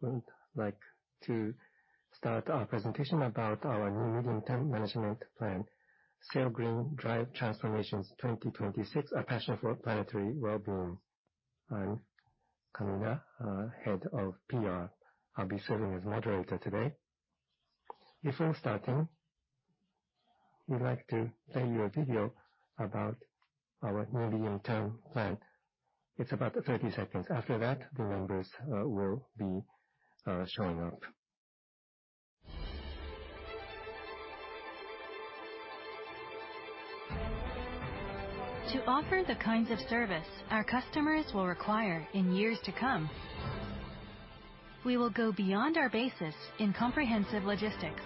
We would like to start our presentation about our new Medium-Term Management Plan, Sail Green, Drive Transformations 2026, A Passion for Planetary Well-being. I'm Kamina, Head of PR. I'll be serving as moderator today. Before starting, we'd like to play you a video about our new medium-term plan. It's about 30 seconds. After that, the members will be showing up. To offer the kinds of service our customers will require in years to come, we will go beyond our basis in comprehensive logistics,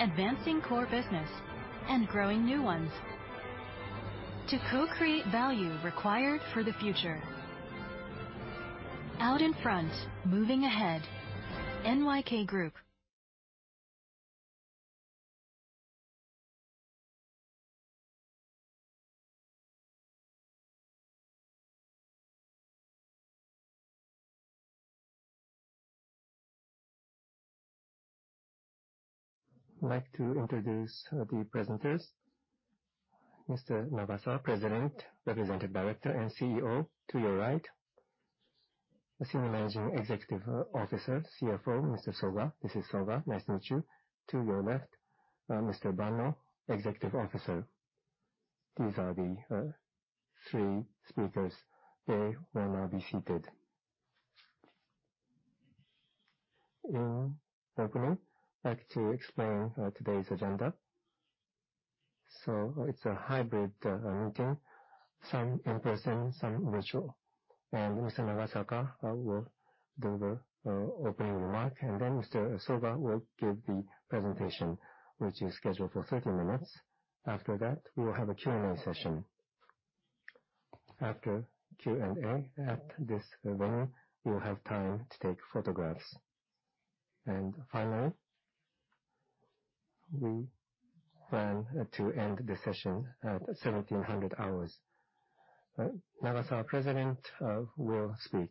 advancing core business and growing new ones to co-create value required for the future. Out in front, moving ahead, NYK Group. I'd like to introduce the presenters. Mr. Nagasawa, President, Representative Director, and CEO, to your right. The Senior Managing Executive Officer, CFO, Mr. Soga. This is Soga, nice to meet you. To your left, Mr. Banno, Executive Officer. These are the three speakers. They will now be seated. In opening, I'd like to explain today's agenda. It's a hybrid meeting, some in-person, some virtual. Mr. Nagasawa will do the opening remark. Mr. Soga will give the presentation, which is scheduled for 30 minutes. After that, we will have a Q&A session. After Q&A, at this venue, we will have time to take photographs. Finally, we plan to end the session at 1700 hours. Nagasawa, President, will speak.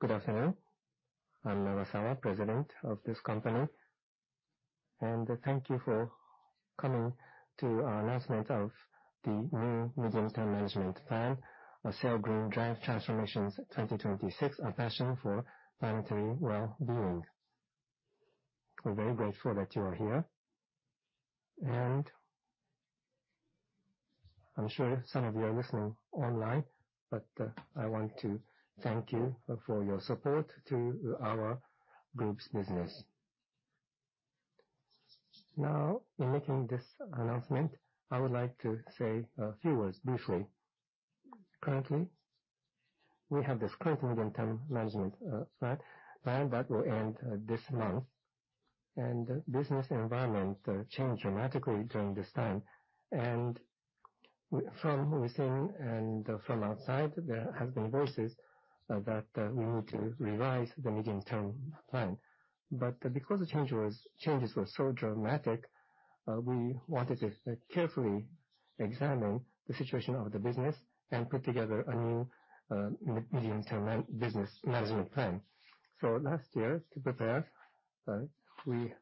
Good afternoon. I'm Nagasawa, President of this company, and thank you for coming to our announcement of the new Medium-Term Management Plan, our Sail Green, Drive Transformations 2026, A Passion for Planetary Well-being. We're very grateful that you are here, and I'm sure some of you are listening online, but I want to thank you for your support to our group's business. In making this announcement, I would like to say a few words briefly. Currently, we have this current Medium-Term Management Plan that will end this month. The business environment changed dramatically during this time. From within and from outside, there have been voices that we need to revise the medium-term plan. Because the changes were so dramatic, we wanted to carefully examine the situation of the business and put together a new medium-term business management plan. Last year, to prepare, we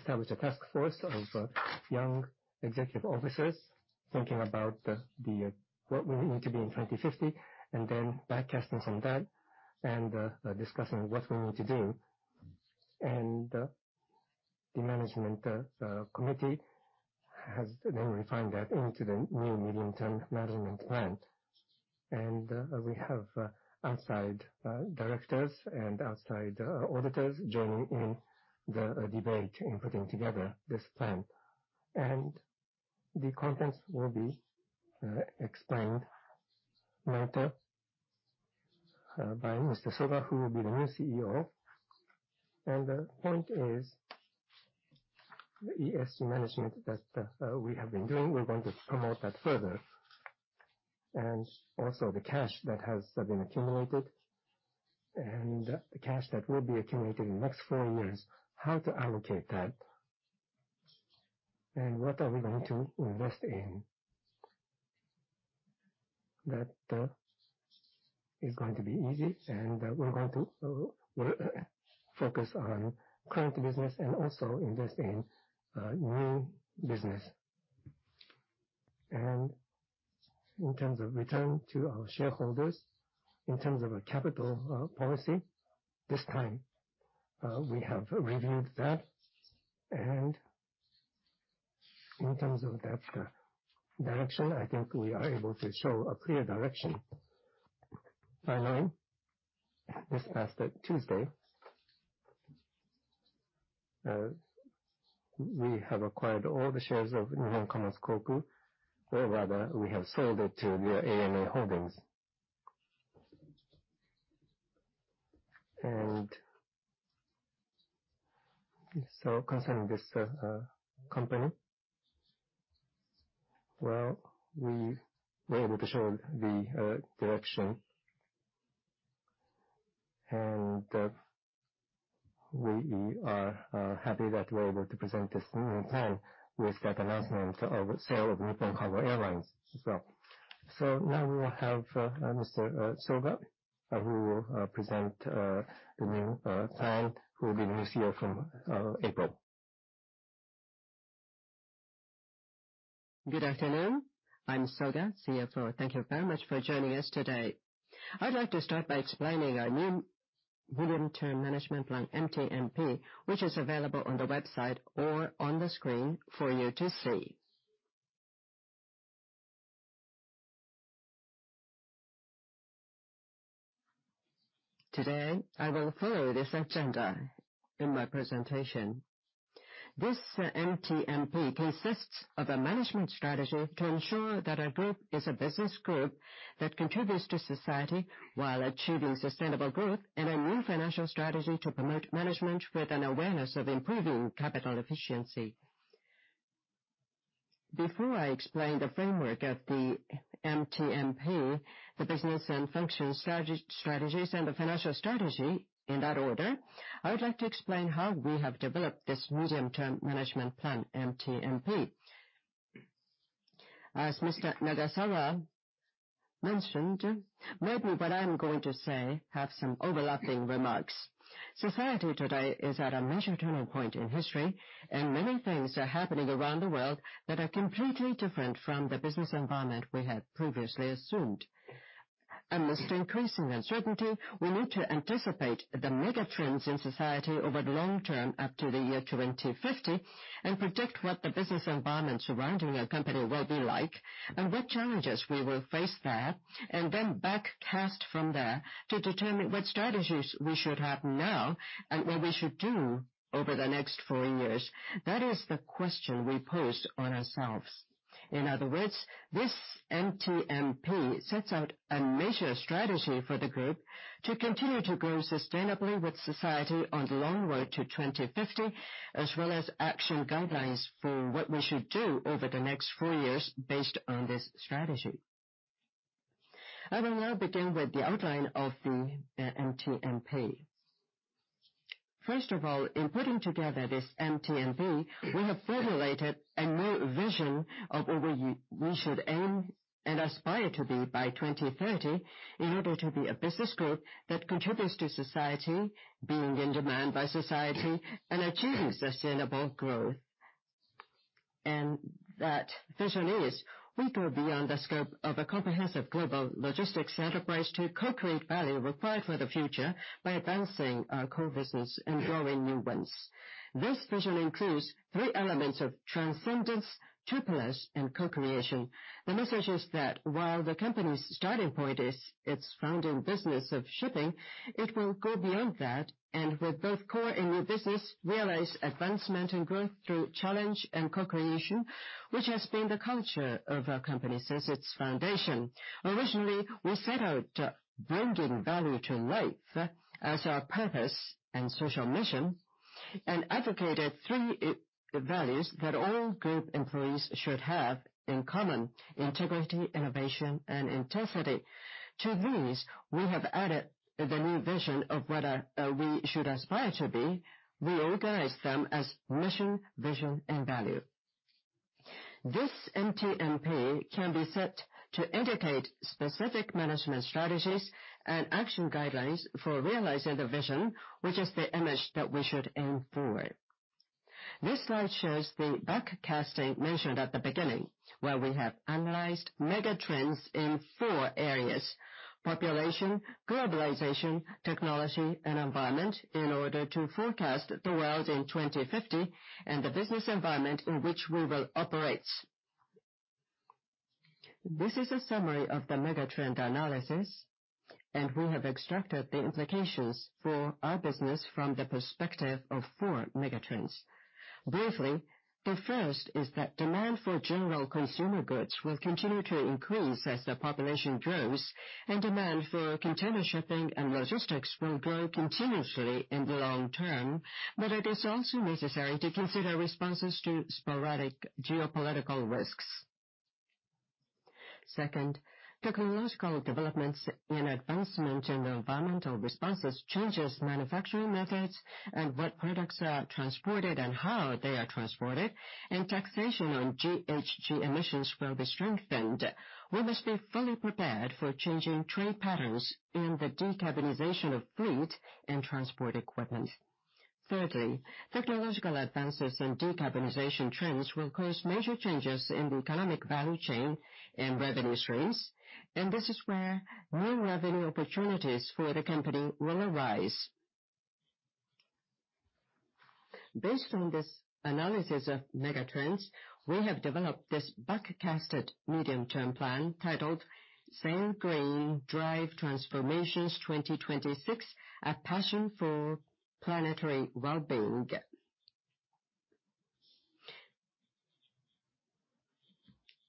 established a task force of young executive officers thinking about what we need to be in 2050, then backcasting from that and discussing what we need to do. The management committee has then refined that into the new Medium Term Management Plan. We have outside directors and outside auditors joining in the debate in putting together this plan. The contents will be explained later by Mr. Soga, who will be the new CEO. The point is the ESG management that we have been doing, we are going to promote that further. Also the cash that has been accumulated and the cash that will be accumulated in the next four years, how to allocate that and what are we going to invest in. That is going to be easy, we are going to focus on current business and also invest in new business. In terms of return to our shareholders, in terms of a capital policy, this time, we have reviewed that. In terms of that direction, I think we are able to show a clear direction. Finally, this past Tuesday, we have acquired all the shares of Nippon Cargo Airlines, or rather, we have sold it to the ANA Holdings. Concerning this company, well, we were able to show the direction. We are happy that we are able to present this new plan with that announcement of sale of Nippon Cargo Airlines as well. Now we will have Mr. Soga, who will present the new plan, who will be the new CEO from April. Good afternoon. I am Soga, CFO. Thank you very much for joining us today. I would like to start by explaining our new Medium Term Management Plan, MTMP, which is available on the website or on the screen for you to see. Today, I will follow this agenda in my presentation. This MTMP consists of a management strategy to ensure that our group is a business group that contributes to society while achieving sustainable growth, and a new financial strategy to promote management with an awareness of improving capital efficiency. Before I explain the framework of the MTMP, the business and function strategies, and the financial strategy in that order, I would like to explain how we have developed this Medium Term Management Plan, MTMP. As Mr. Nagasawa mentioned, maybe what I am going to say have some overlapping remarks. Society today is at a major turning point in history, many things are happening around the world that are completely different from the business environment we had previously assumed. Amidst increasing uncertainty, we need to anticipate the mega trends in society over the long term up to the year 2050, predict what the business environment surrounding our company will be like, what challenges we will face there, then backcast from there to determine what strategies we should have now and what we should do over the next four years. That is the question we posed on ourselves. In other words, this MTMP sets out a major strategy for the group to continue to grow sustainably with society on the long road to 2050, as well as action guidelines for what we should do over the next four years based on this strategy. I will now begin with the outline of the MTMP. First of all, in putting together this MTMP, we have formulated a new vision of where we should aim and aspire to be by 2030 in order to be a business group that contributes to society, being in demand by society, and achieving sustainable growth. That vision is we go beyond the scope of a comprehensive global logistics enterprise to co-create value required for the future by advancing our core business and growing new ones. This vision includes three elements of transcendence, triplets, and co-creation. The message is that while the company's starting point is its founding business of shipping, it will go beyond that and with both core and new business, realize advancement and growth through challenge and co-creation, which has been the culture of our company since its foundation. Originally, we set out bringing value to life as our purpose and social mission, advocated three values that all group employees should have in common: integrity, innovation, and intensity. To these, we have added the new vision of what we should aspire to be. We organize them as mission, vision, and value. This MTMP can be set to indicate specific management strategies and action guidelines for realizing the vision, which is the image that we should aim for. This slide shows the backcasting mentioned at the beginning, where we have analyzed mega trends in four areas: population, globalization, technology, and environment in order to forecast the world in 2050 and the business environment in which we will operate. This is a summary of the mega trend analysis, we have extracted the implications for our business from the perspective of four mega trends. Briefly, the first is that demand for general consumer goods will continue to increase as the population grows, demand for container shipping and logistics will grow continuously in the long term, but it is also necessary to consider responses to sporadic geopolitical risks. Second, technological developments advancement in the environmental responses, changes manufacturing methods what products are transported and how they are transported, taxation on GHG emissions will be strengthened. We must be fully prepared for changing trade patterns in the decarbonization of fleet and transport equipment. Thirdly, technological advances and decarbonization trends will cause major changes in the economic value chain and revenue streams, this is where new revenue opportunities for the company will arise. Based on this analysis of mega trends, we have developed this backcasted medium-term plan titled Sail Green, Drive Transformations 2026, A Passion for Planetary Wellbeing.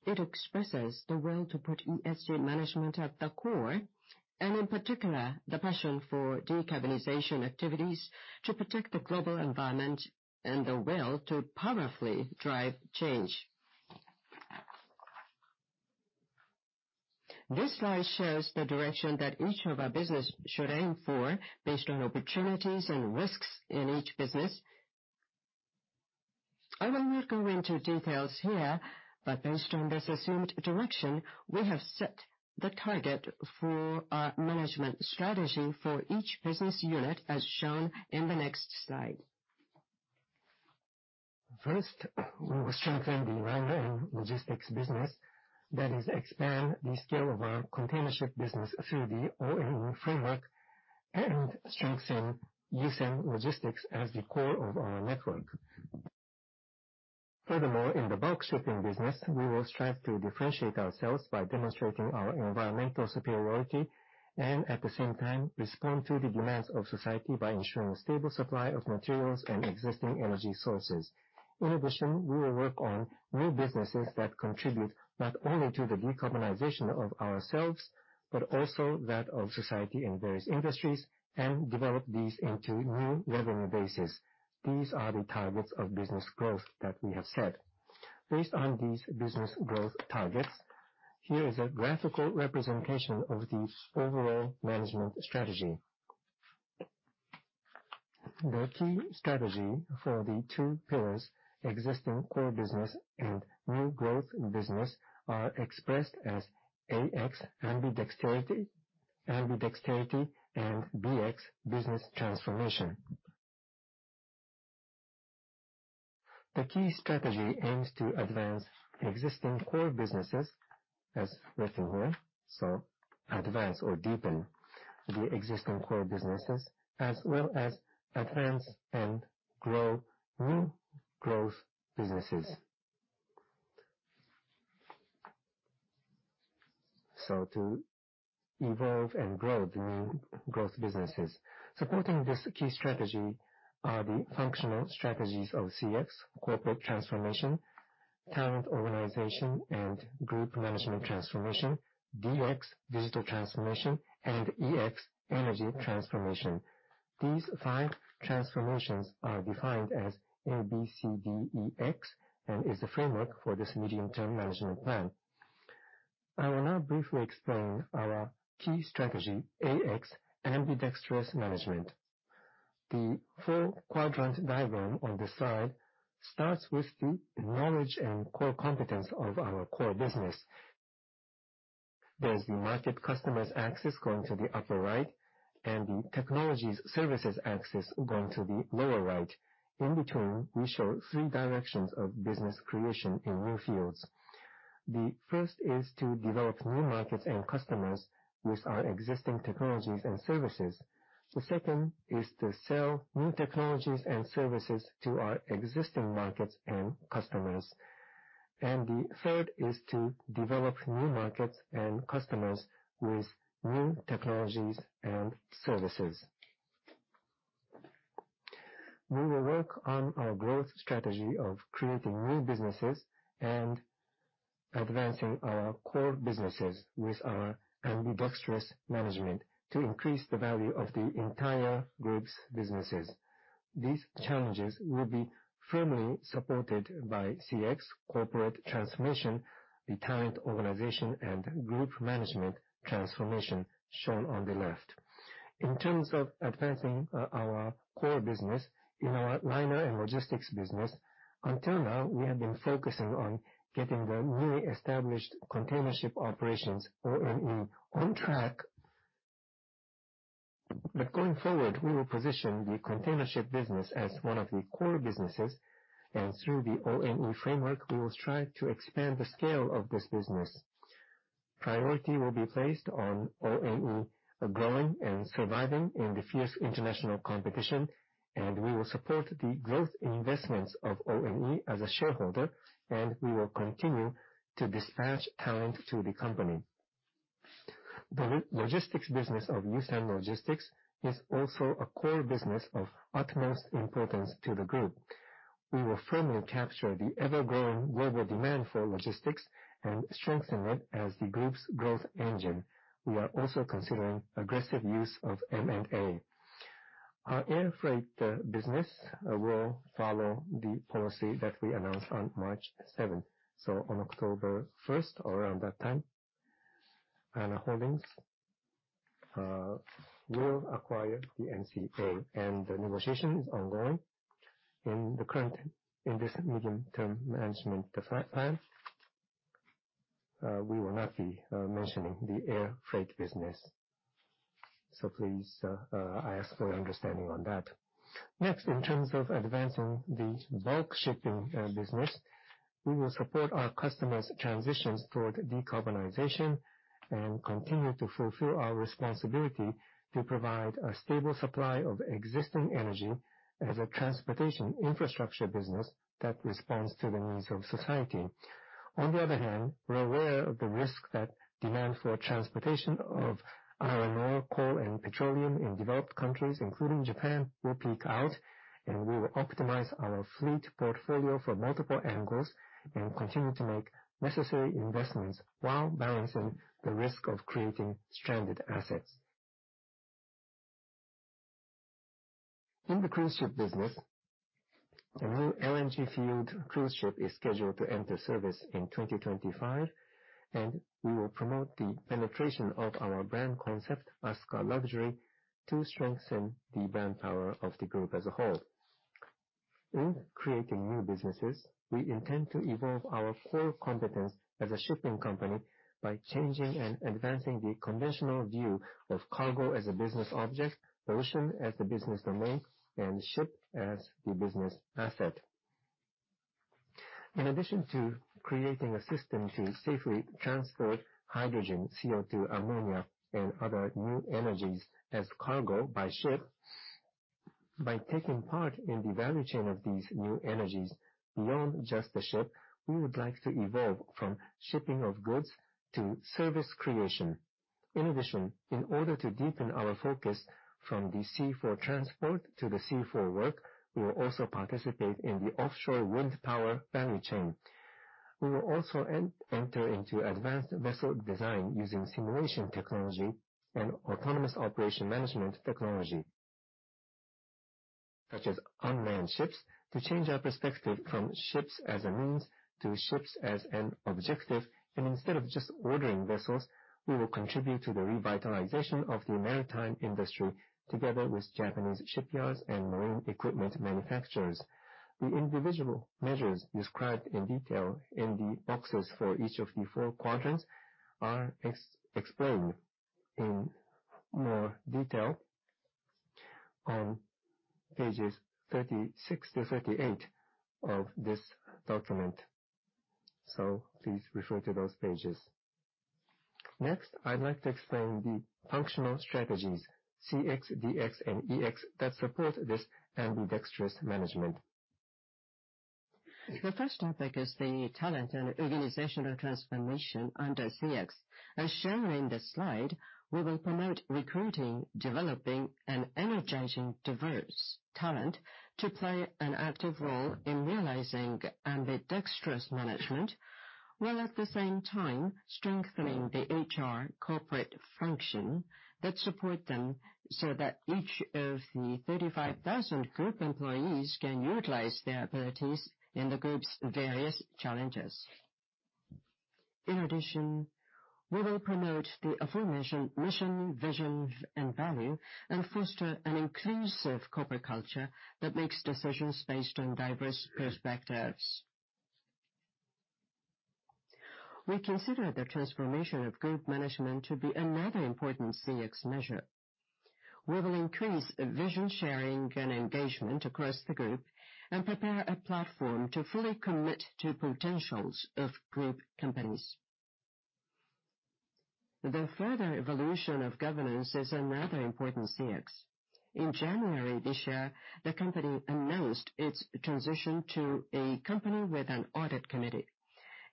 It expresses the will to put ESG management at the core, in particular, the passion for decarbonization activities to protect the global environment and the will to powerfully drive change. This slide shows the direction that each of our business should aim for based on opportunities and risks in each business. I will not go into details here, but based on this assumed direction, we have set the target for our management strategy for each business unit, as shown in the next slide. We will strengthen the liner and logistics business. That is, expand the scale of our container ship business through the ONE framework and strengthen Yusen Logistics as the core of our network. In the bulk shipping business, we will strive to differentiate ourselves by demonstrating our environmental superiority and, at the same time, respond to the demands of society by ensuring stable supply of materials and existing energy sources. We will work on new businesses that contribute not only to the decarbonization of ourselves, but also that of society and various industries, and develop these into new revenue bases. These are the targets of business growth that we have set. Based on these business growth targets, here is a graphical representation of the overall management strategy. The key strategy for the two pillars, existing core business and new growth business, are expressed as AX, ambidexterity, and BX, business transformation. The key strategy aims to advance existing core businesses as written here, advance or deepen the existing core businesses as well as advance and grow new growth businesses. To evolve and grow the new growth businesses. Supporting this key strategy are the functional strategies of CX, corporate transformation, talent organization, and group management transformation, DX, digital transformation, and EX, energy transformation. These five transformations are defined as ABCDE-X and is a framework for this medium-term management plan. I will now briefly explain our key strategy, AX, ambidextrous management. The four-quadrant diagram on this slide starts with the knowledge and core competence of our core business. There's the market/customers axis going to the upper right and the technologies/services axis going to the lower right. In between, we show three directions of business creation in new fields. The first is to develop new markets and customers with our existing technologies and services. The second is to sell new technologies and services to our existing markets and customers. The third is to develop new markets and customers with new technologies and services. We will work on our growth strategy of creating new businesses and advancing our core businesses with our ambidextrous management to increase the value of the entire group's businesses. These challenges will be firmly supported by CX, corporate transformation, the talent organization, and group management transformation shown on the left. In terms of advancing our core business in our liner and logistics business, until now, we have been focusing on getting the newly established container ship operations, ONE, on track. Going forward, we will position the container ship business as one of the core businesses, and through the ONE framework, we will strive to expand the scale of this business. Priority will be placed on ONE growing and surviving in the fierce international competition, and we will support the growth investments of ONE as a shareholder, and we will continue to dispatch talent to the company. The logistics business of Yusen Logistics is also a core business of utmost importance to the group. We will firmly capture the ever-growing global demand for logistics and strengthen it as the group's growth engine. We are also considering aggressive use of M&A. Our air freight business will follow the policy that we announced on March 7th. On October 1st, around that time, ANA Holdings will acquire the NCA, and the negotiation is ongoing. In this medium-term management plan, we will not be mentioning the air freight business. Please, I ask for your understanding on that. Next, in terms of advancing the bulk shipping business, we will support our customers' transitions toward decarbonization and continue to fulfill our responsibility to provide a stable supply of existing energy as a transportation infrastructure business that responds to the needs of society. On the other hand, we're aware of the risk that demand for transportation of iron ore, coal, and petroleum in developed countries, including Japan, will peak out, and we will optimize our fleet portfolio for multiple angles and continue to make necessary investments while balancing the risk of creating stranded assets. In the cruise ship business, a new LNG-fueled cruise ship is scheduled to enter service in 2025, and we will promote the penetration of our brand concept, Asuka Cruise, to strengthen the brand power of the group as a whole. In creating new businesses, we intend to evolve our core competence as a shipping company by changing and advancing the conventional view of cargo as a business object, ocean as the business domain, and ship as the business asset. In addition to creating a system to safely transport hydrogen, CO2, ammonia, and other new energies as cargo by ship, by taking part in the value chain of these new energies beyond just the ship, we would like to evolve from shipping of goods to service creation. In addition, in order to deepen our focus from the sea for transport to the sea for work, we will also participate in the offshore wind power value chain. We will also enter into advanced vessel design using simulation technology and autonomous operation management technology, such as unmanned ships, to change our perspective from ships as a means to ships as an objective. Instead of just ordering vessels, we will contribute to the revitalization of the maritime industry together with Japanese shipyards and marine equipment manufacturers. The individual measures described in detail in the boxes for each of the four quadrants are explained in more detail on pages 36 to 38 of this document. Please refer to those pages. Next, I'd like to explain the functional strategies, CX, DX, and EX, that support this ambidextrous management. The first topic is the talent and organizational transformation under CX. As shown in the slide, we will promote recruiting, developing, and energizing diverse talent to play an active role in realizing ambidextrous management, while at the same time strengthening the HR corporate function that support them, so that each of the 35,000 group employees can utilize their abilities in the group's various challenges. We will promote the aforementioned mission, vision, and value, and foster an inclusive corporate culture that makes decisions based on diverse perspectives. We consider the transformation of group management to be another important CX measure. We will increase vision sharing and engagement across the group and prepare a platform to fully commit to potentials of group companies. The further evolution of governance is another important CX. In January this year, the company announced its transition to a company with an audit committee.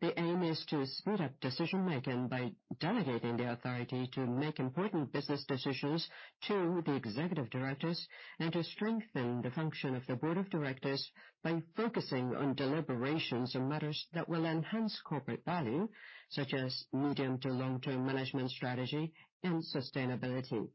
The aim is to speed up decision-making by delegating the authority to make important business decisions to the executive directors and to strengthen the function of the board of directors by focusing on deliberations on matters that will enhance corporate value, such as medium to long-term management strategy and sustainability.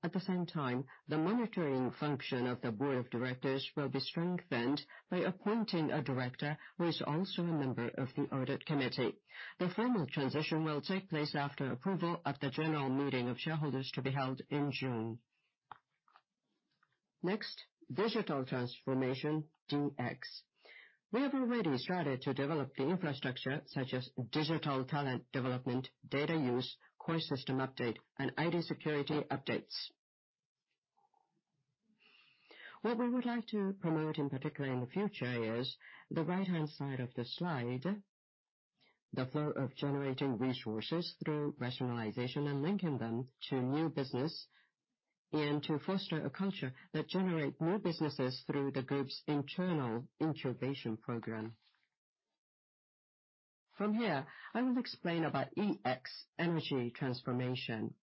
The monitoring function of the board of directors will be strengthened by appointing a director who is also a member of the audit committee. The formal transition will take place after approval of the general meeting of shareholders to be held in June. Digital transformation, DX. We have already started to develop the infrastructure, such as digital talent development, data use, core system update, and ID security updates. What we would like to promote, in particular in the future, is the right-hand side of the slide, the flow of generating resources through rationalization and linking them to new business, and to foster a culture that generate new businesses through the group's internal incubation program. I will explain about EX, energy transformation.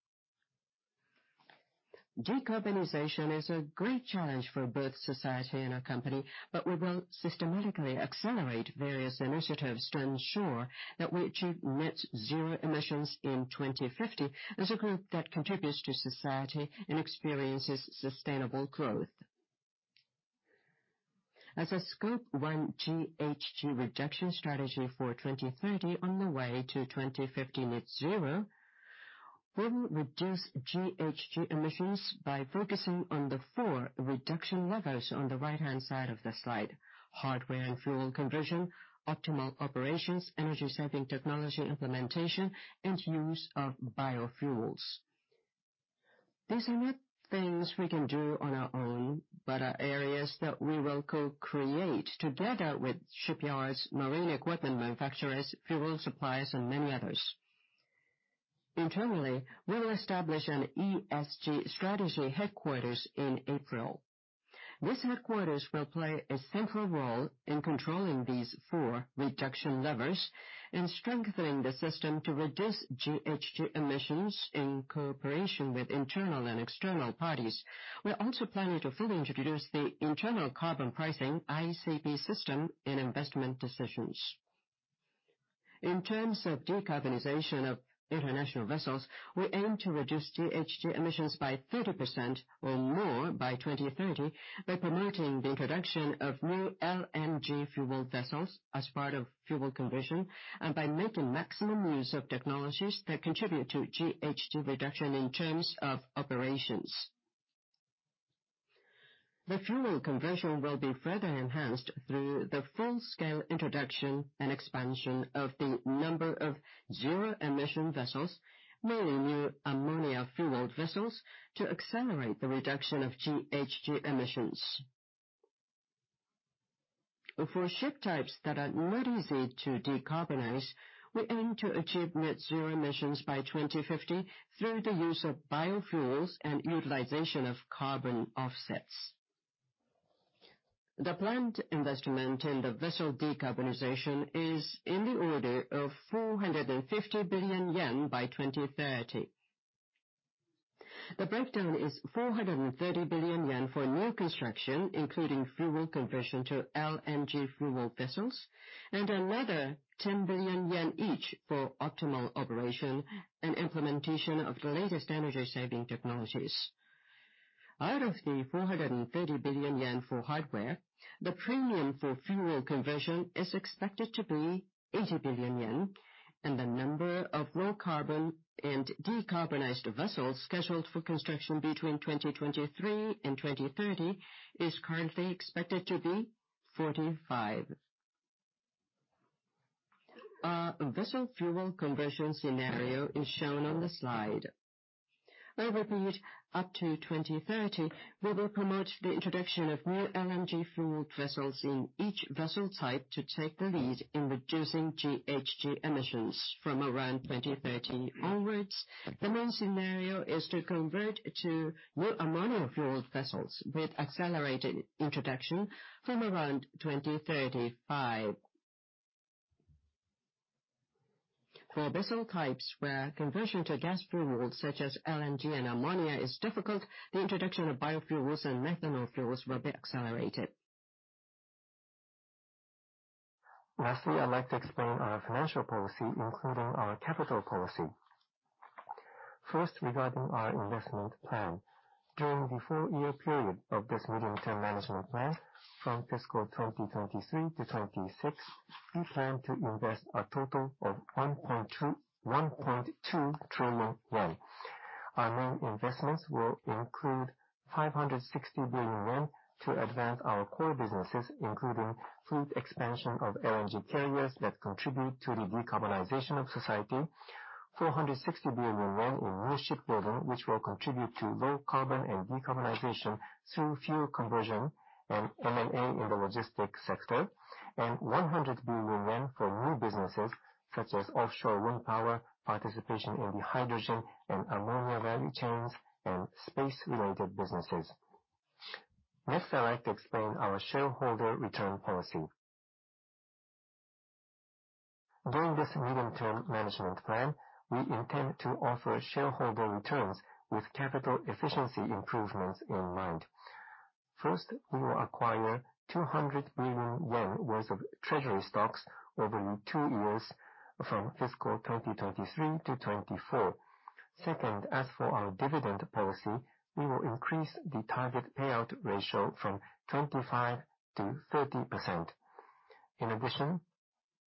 Decarbonization is a great challenge for both society and our company, we will systematically accelerate various initiatives to ensure that we achieve net zero emissions in 2050 as a group that contributes to society and experiences sustainable growth. As a Scope 1 GHG reduction strategy for 2030 on the way to 2050 net zero, we will reduce GHG emissions by focusing on the 4 reduction levers on the right-hand side of the slide, hardware and fuel conversion, optimal operations, energy-saving technology implementation, and use of biofuels. These are not things we can do on our own, are areas that we will co-create together with shipyards, marine equipment manufacturers, fuel suppliers, and many others. We will establish an ESG strategy headquarters in April. This headquarters will play a central role in controlling these 4 reduction levers and strengthening the system to reduce GHG emissions in cooperation with internal and external parties. We are also planning to fully introduce the internal carbon pricing, ICP, system in investment decisions. In terms of decarbonization of international vessels, we aim to reduce GHG emissions by 30% or more by 2030 by promoting the introduction of new LNG-fueled vessels as part of fuel conversion, and by making maximum use of technologies that contribute to GHG reduction in terms of operations. The fuel conversion will be further enhanced through the full-scale introduction and expansion of the number of zero-emission vessels, mainly new ammonia-fueled vessels, to accelerate the reduction of GHG emissions. For ship types that are not easy to decarbonize, we aim to achieve net zero emissions by 2050 through the use of biofuels and utilization of carbon offsets. The planned investment in the vessel decarbonization is in the order of 450 billion yen by 2030. The breakdown is 430 billion yen for new construction, including fuel conversion to LNG fuel vessels, and another 10 billion yen each for optimal operation and implementation of the latest energy-saving technologies. Out of the 430 billion yen for hardware, the premium for fuel conversion is expected to be 80 billion yen, and the number of low-carbon and decarbonized vessels scheduled for construction between 2023 and 2030 is currently expected to be 45. Our vessel fuel conversion scenario is shown on the slide. I repeat, up to 2030, we will promote the introduction of new LNG-fueled vessels in each vessel type to take the lead in reducing GHG emissions from around 2030 onwards. The main scenario is to convert to new ammonia-fueled vessels with accelerated introduction from around 2035. For vessel types where conversion to gas fuels such as LNG and ammonia is difficult, the introduction of biofuels and methanol fuels will be accelerated. Lastly, I'd like to explain our financial policy, including our capital policy. First, regarding our investment plan. During the four-year period of this medium-term management plan, from fiscal 2023 to 2026, we plan to invest a total of 1.2 trillion yen. Our main investments will include 560 billion yen to advance our core businesses, including fleet expansion of LNG carriers that contribute to the decarbonization of society, 460 billion yen in new ship building, which will contribute to low carbon and decarbonization through fuel conversion and M&A in the logistics sector, and JPY 100 billion for new businesses such as offshore wind power, participation in the hydrogen and ammonia value chains, and space-related businesses. Next, I'd like to explain our shareholder return policy. During this medium-term management plan, we intend to offer shareholder returns with capital efficiency improvements in mind. First, we will acquire 200 billion yen worth of treasury stocks over the two years from fiscal 2023 to 2024. Second, as for our dividend policy, we will increase the target payout ratio from 25% to 30%. In addition,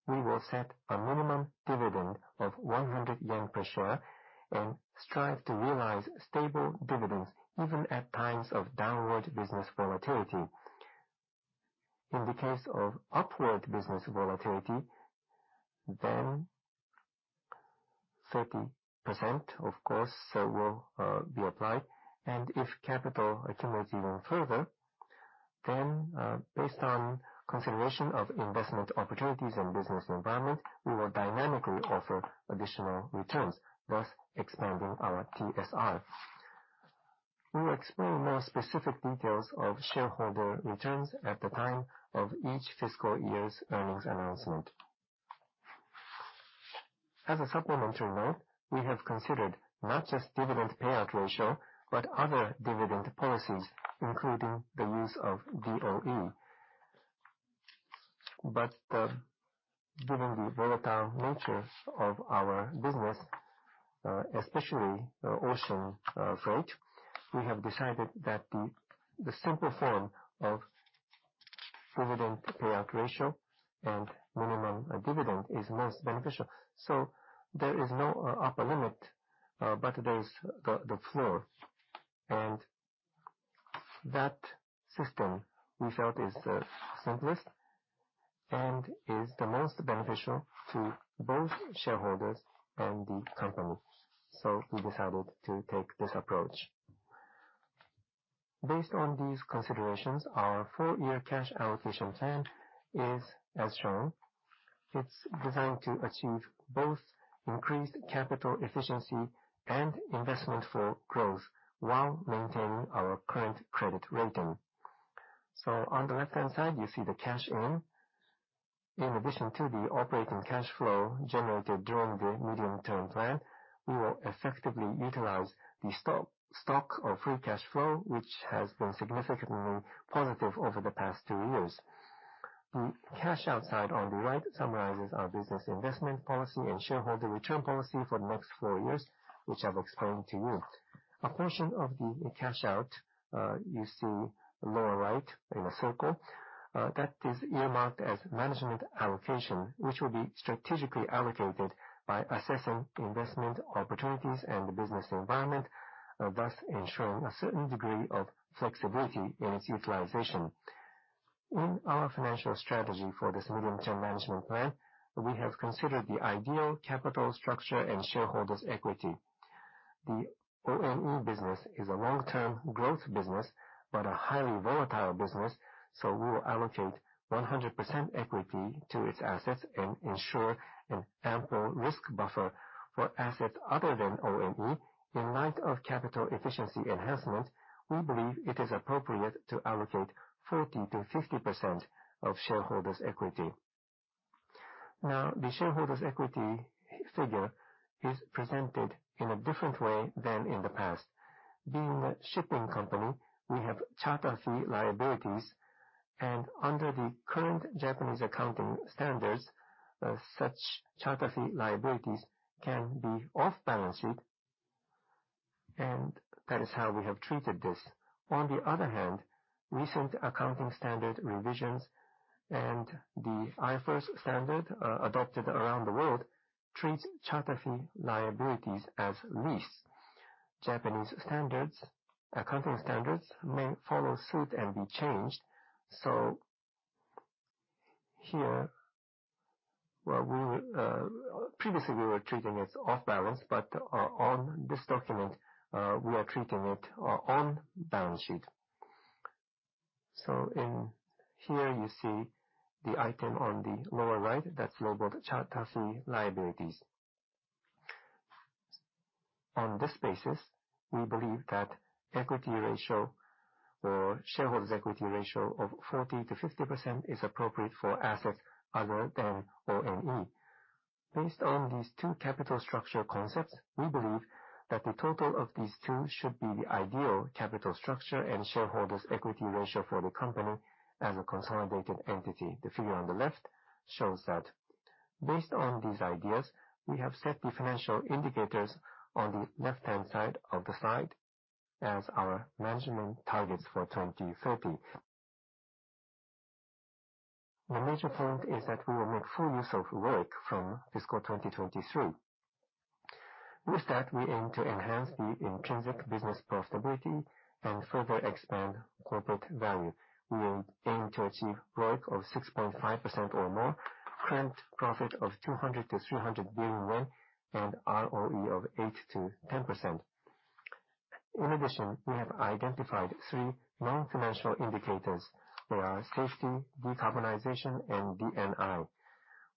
we will set a minimum dividend of 100 yen per share and strive to realize stable dividends even at times of downward business volatility. In the case of upward business volatility, then 30%, of course, will be applied. If capital accumulates even further, then based on consideration of investment opportunities and business environment, we will dynamically offer additional returns, thus expanding our TSR. We will explain more specific details of shareholder returns at the time of each fiscal year's earnings announcement. As a supplementary note, we have considered not just dividend payout ratio, but other dividend policies, including the use of DOE. Given the volatile nature of our business, especially ocean freight, we have decided that the simple form of dividend payout ratio and minimum dividend is most beneficial. There is no upper limit, but there's the floor. That system, we felt is the simplest and is the most beneficial to both shareholders and the company. We decided to take this approach. Based on these considerations, our four-year cash allocation plan is as shown. It's designed to achieve both increased capital efficiency and investment for growth while maintaining our current credit rating. On the left-hand side, you see the cash in. In addition to the operating cash flow generated during the medium-term plan, we will effectively utilize the stock of free cash flow, which has been significantly positive over the past two years. The cash outside on the right summarizes our business investment policy and shareholder return policy for the next four years, which I've explained to you. A portion of the cash out, you see lower right in a circle, that is earmarked as management allocation, which will be strategically allocated by assessing investment opportunities and the business environment, thus ensuring a certain degree of flexibility in its utilization. In our financial strategy for this medium-term management plan, we have considered the ideal capital structure and shareholders' equity. The O&E business is a long-term growth business, but a highly volatile business, we will allocate 100% equity to its assets and ensure an ample risk buffer for assets other than O&E. In light of capital efficiency enhancement, we believe it is appropriate to allocate 40%-50% of shareholders' equity. The shareholders' equity figure is presented in a different way than in the past. Being a shipping company, we have charter fee liabilities, under the current Japanese accounting standards, such charter fee liabilities can be off-balance sheet, and that is how we have treated this. On the other hand, recent accounting standard revisions and the IFRS standard adopted around the world treats charter fee liabilities as lease. Japanese accounting standards may follow suit and be changed. Here, previously we were treating it off-balance, but on this document, we are treating it on-balance sheet. Here you see the item on the lower right, that's global charter fee liabilities. On this basis, we believe that equity ratio or shareholders' equity ratio of 40%-50% is appropriate for assets other than O&E. Based on these two capital structure concepts, we believe that the total of these two should be the ideal capital structure and shareholders' equity ratio for the company as a consolidated entity. The figure on the left shows that. Based on these ideas, we have set the financial indicators on the left-hand side of the slide as our management targets for 2030. The major point is that we will make full use of ROIC from fiscal 2023. With that, we aim to enhance the intrinsic business profitability and further expand corporate value. We will aim to achieve ROIC of 6.5% or more, current profit of 200 billion-300 billion yen, and ROE of 8%-10%. In addition, we have identified three non-financial indicators. They are safety, decarbonization, and D&I.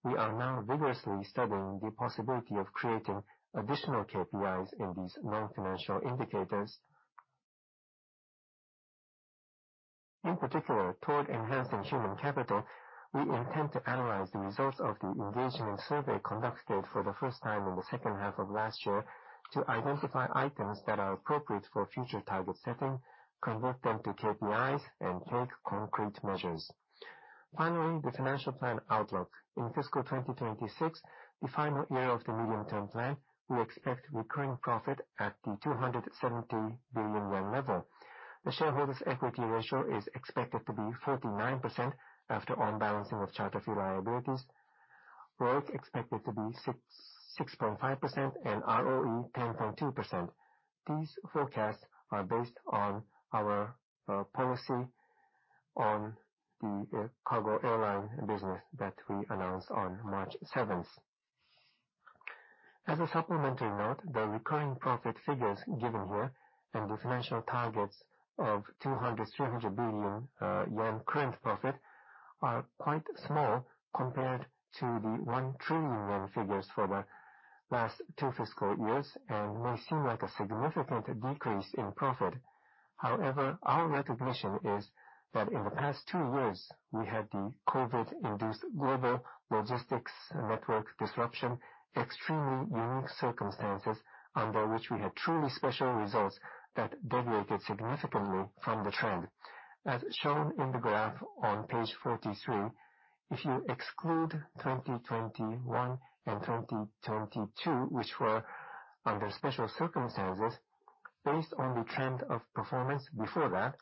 We are now vigorously studying the possibility of creating additional KPIs in these non-financial indicators. In particular, toward enhancing human capital, we intend to analyze the results of the engagement survey conducted for the first time in the second half of last year to identify items that are appropriate for future target setting, convert them to KPIs, and take concrete measures. Finally, the financial plan outlook. In fiscal 2026, the final year of the medium-term plan, we expect recurring profit at the JPY 270 billion level. The shareholders' equity ratio is expected to be 49% after on-balancing of charter fee liabilities, ROIC expected to be 6.5%, and ROE 10.2%. These forecasts are based on our policy on the cargo airline business that we announced on March 7th. As a supplementary note, the recurring profit figures given here and the financial targets of 200 billion, 300 billion yen current profit are quite small compared to the 1 trillion yen figures for the last two fiscal years and may seem like a significant decrease in profit. However, our recognition is that in the past two years, we had the COVID-induced global logistics network disruption, extremely unique circumstances under which we had truly special results that deviated significantly from the trend. As shown in the graph on page 43, if you exclude 2021 and 2022, which were under special circumstances, based on the trend of performance before that,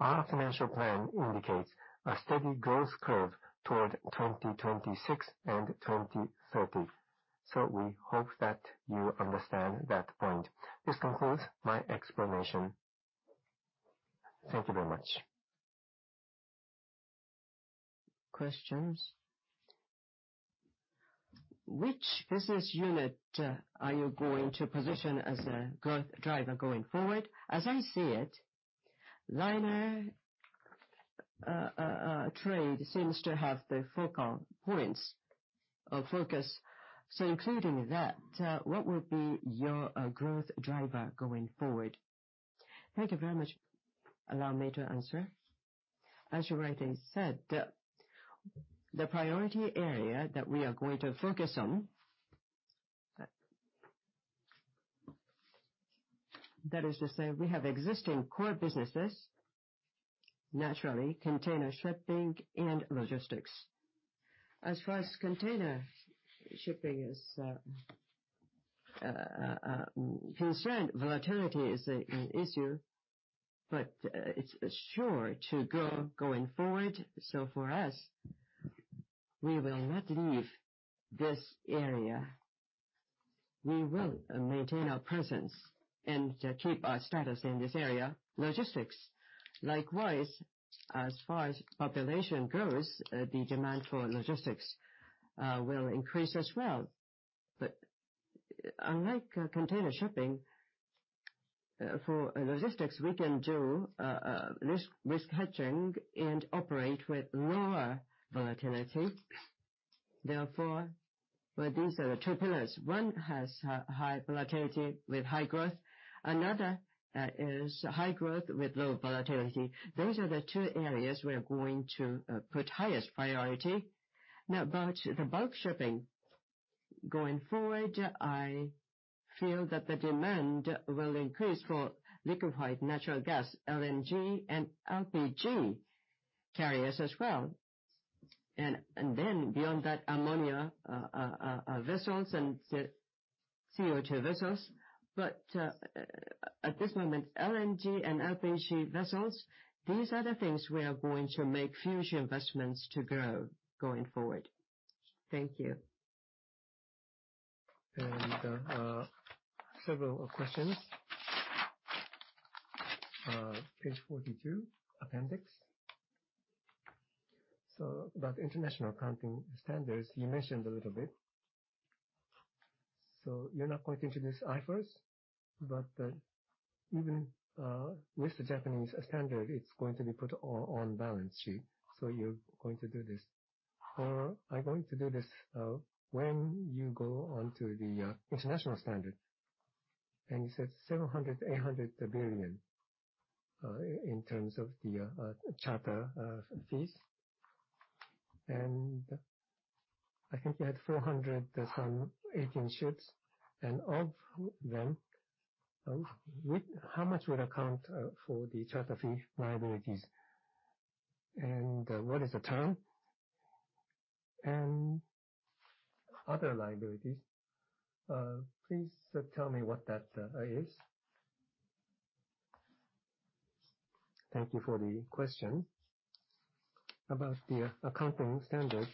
our financial plan indicates a steady growth curve toward 2026 and 2030. We hope that you understand that point. This concludes my explanation. Thank you very much. Questions? Which business unit are you going to position as a growth driver going forward? As I see it, liner trade seems to have the focal points of focus. Including that, what will be your growth driver going forward? Thank you very much. Allow me to answer. As you rightly said, the priority area that we are going to focus on. That is to say, we have existing core businesses, naturally, container shipping and logistics. As far as container shipping is concerned, volatility is an issue, but it is sure to grow going forward. For us, we will not leave this area. We will maintain our presence and keep our status in this area. Logistics, likewise, as far as population grows, the demand for logistics will increase as well. Unlike container shipping, for logistics, we can do risk hedging and operate with lower volatility. These are the two pillars. One has high volatility with high growth. Another is high growth with low volatility. Those are the two areas we are going to put highest priority. About the bulk shipping. Going forward, I feel that the demand will increase for liquefied natural gas, LNG, and LPG carriers as well. Beyond that, ammonia vessels and CO2 vessels. At this moment, LNG and LPG vessels, these are the things we are going to make huge investments to grow going forward. Thank you. There are several questions. Page 42, appendix. About international accounting standards, you mentioned a little bit. You're not going to introduce IFRS, but even with the Japanese standard, it's going to be put on balance sheet. You're going to do this. Are you going to do this when you go on to the international standard? You said 700 billion-800 billion in terms of the charter fees. I think you had 400 some agent ships, and of them, how much would account for the charter fee liabilities? What is the term? Other liabilities, please tell me what that is. Thank you for the question. About the accounting standards,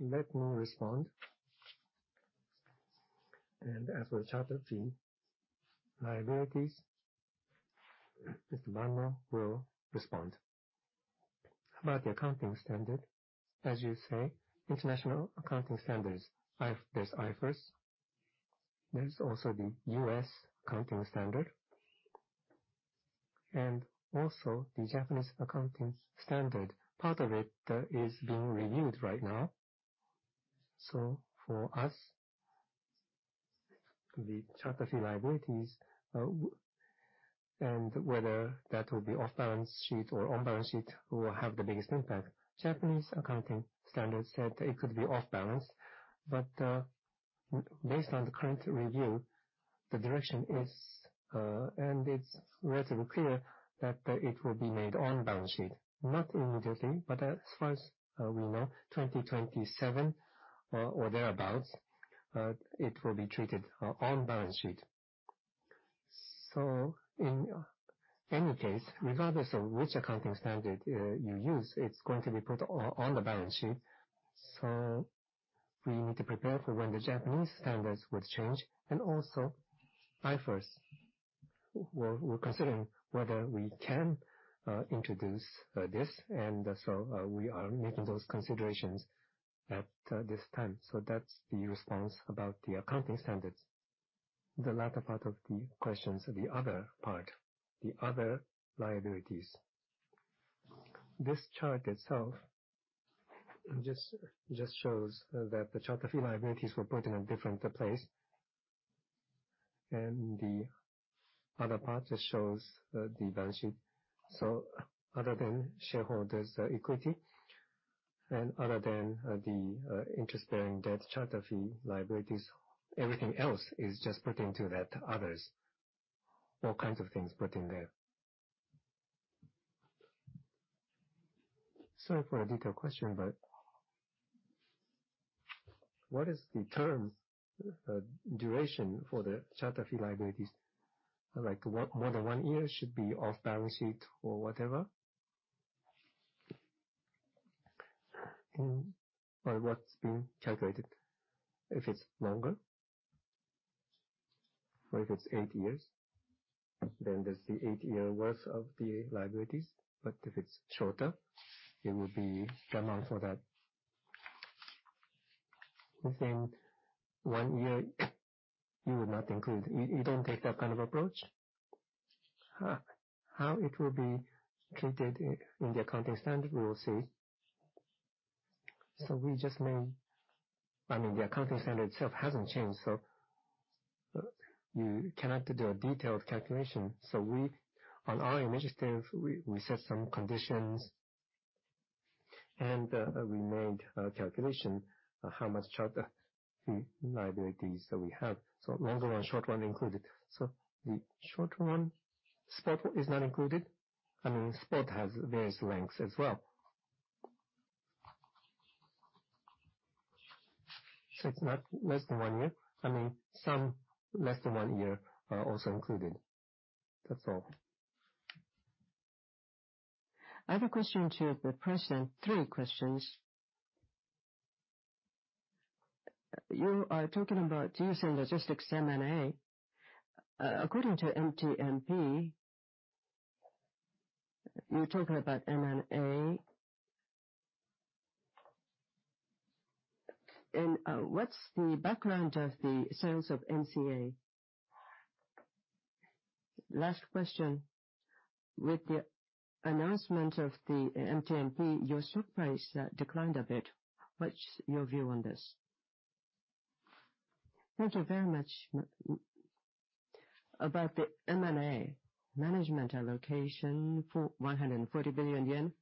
let me respond. As for the charter fee liabilities, Mr. Banmo will respond. About the accounting standard, as you say, international accounting standards, there's IFRS, there's also the U.S. accounting standard, and also the Japanese accounting standard. Part of it is being reviewed right now. For us, the charter fee liabilities, and whether that will be off balance sheet or on balance sheet will have the biggest impact. Japanese accounting standards said it could be off balance, but based on the current review, the direction is, and it's relatively clear that it will be made on balance sheet, not immediately, but as far as we know, 2027 or thereabout, it will be treated on balance sheet. In any case, regardless of which accounting standard you use, it's going to be put on the balance sheet. We need to prepare for when the Japanese standards would change, and also IFRS. We're considering whether we can introduce this, and we are making those considerations at this time. That's the response about the accounting standards. The latter part of the questions, the other part, the other liabilities. This chart itself just shows that the charter fee liabilities were put in a different place. The other part just shows the balance sheet. Other than shareholders' equity and other than the interest-bearing debt, charter fee liabilities, everything else is just put into that others. All kinds of things put in there. Sorry for a detailed question, but what is the term duration for the charter fee liabilities? Like, more than one year should be off balance sheet or whatever? What's being calculated? If it's longer, or if it's 8 years, then there's the 8-year worth of the liabilities. If it's shorter, it will be the amount for that. Within one year, you don't take that kind of approach? How it will be treated in the accounting standard, we will see. The accounting standard itself hasn't changed, so you cannot do a detailed calculation. On our initiative, we set some conditions. We made a calculation of how much charter fee liabilities that we have. Longer one, short one included. The short one spot is not included. I mean, spot has various lengths as well. It's not less than one year. I mean, some less than one year are also included. That's all. I have a question to the president, three questions. You are talking about using logistics M&A. According to MTMP, you are talking about M&A. What is the background of the sales of NCA? Last question. With the announcement of the MTMP, your stock price declined a bit. What is your view on this? Thank you very much. About the M&A management allocation for JPY 140 billion,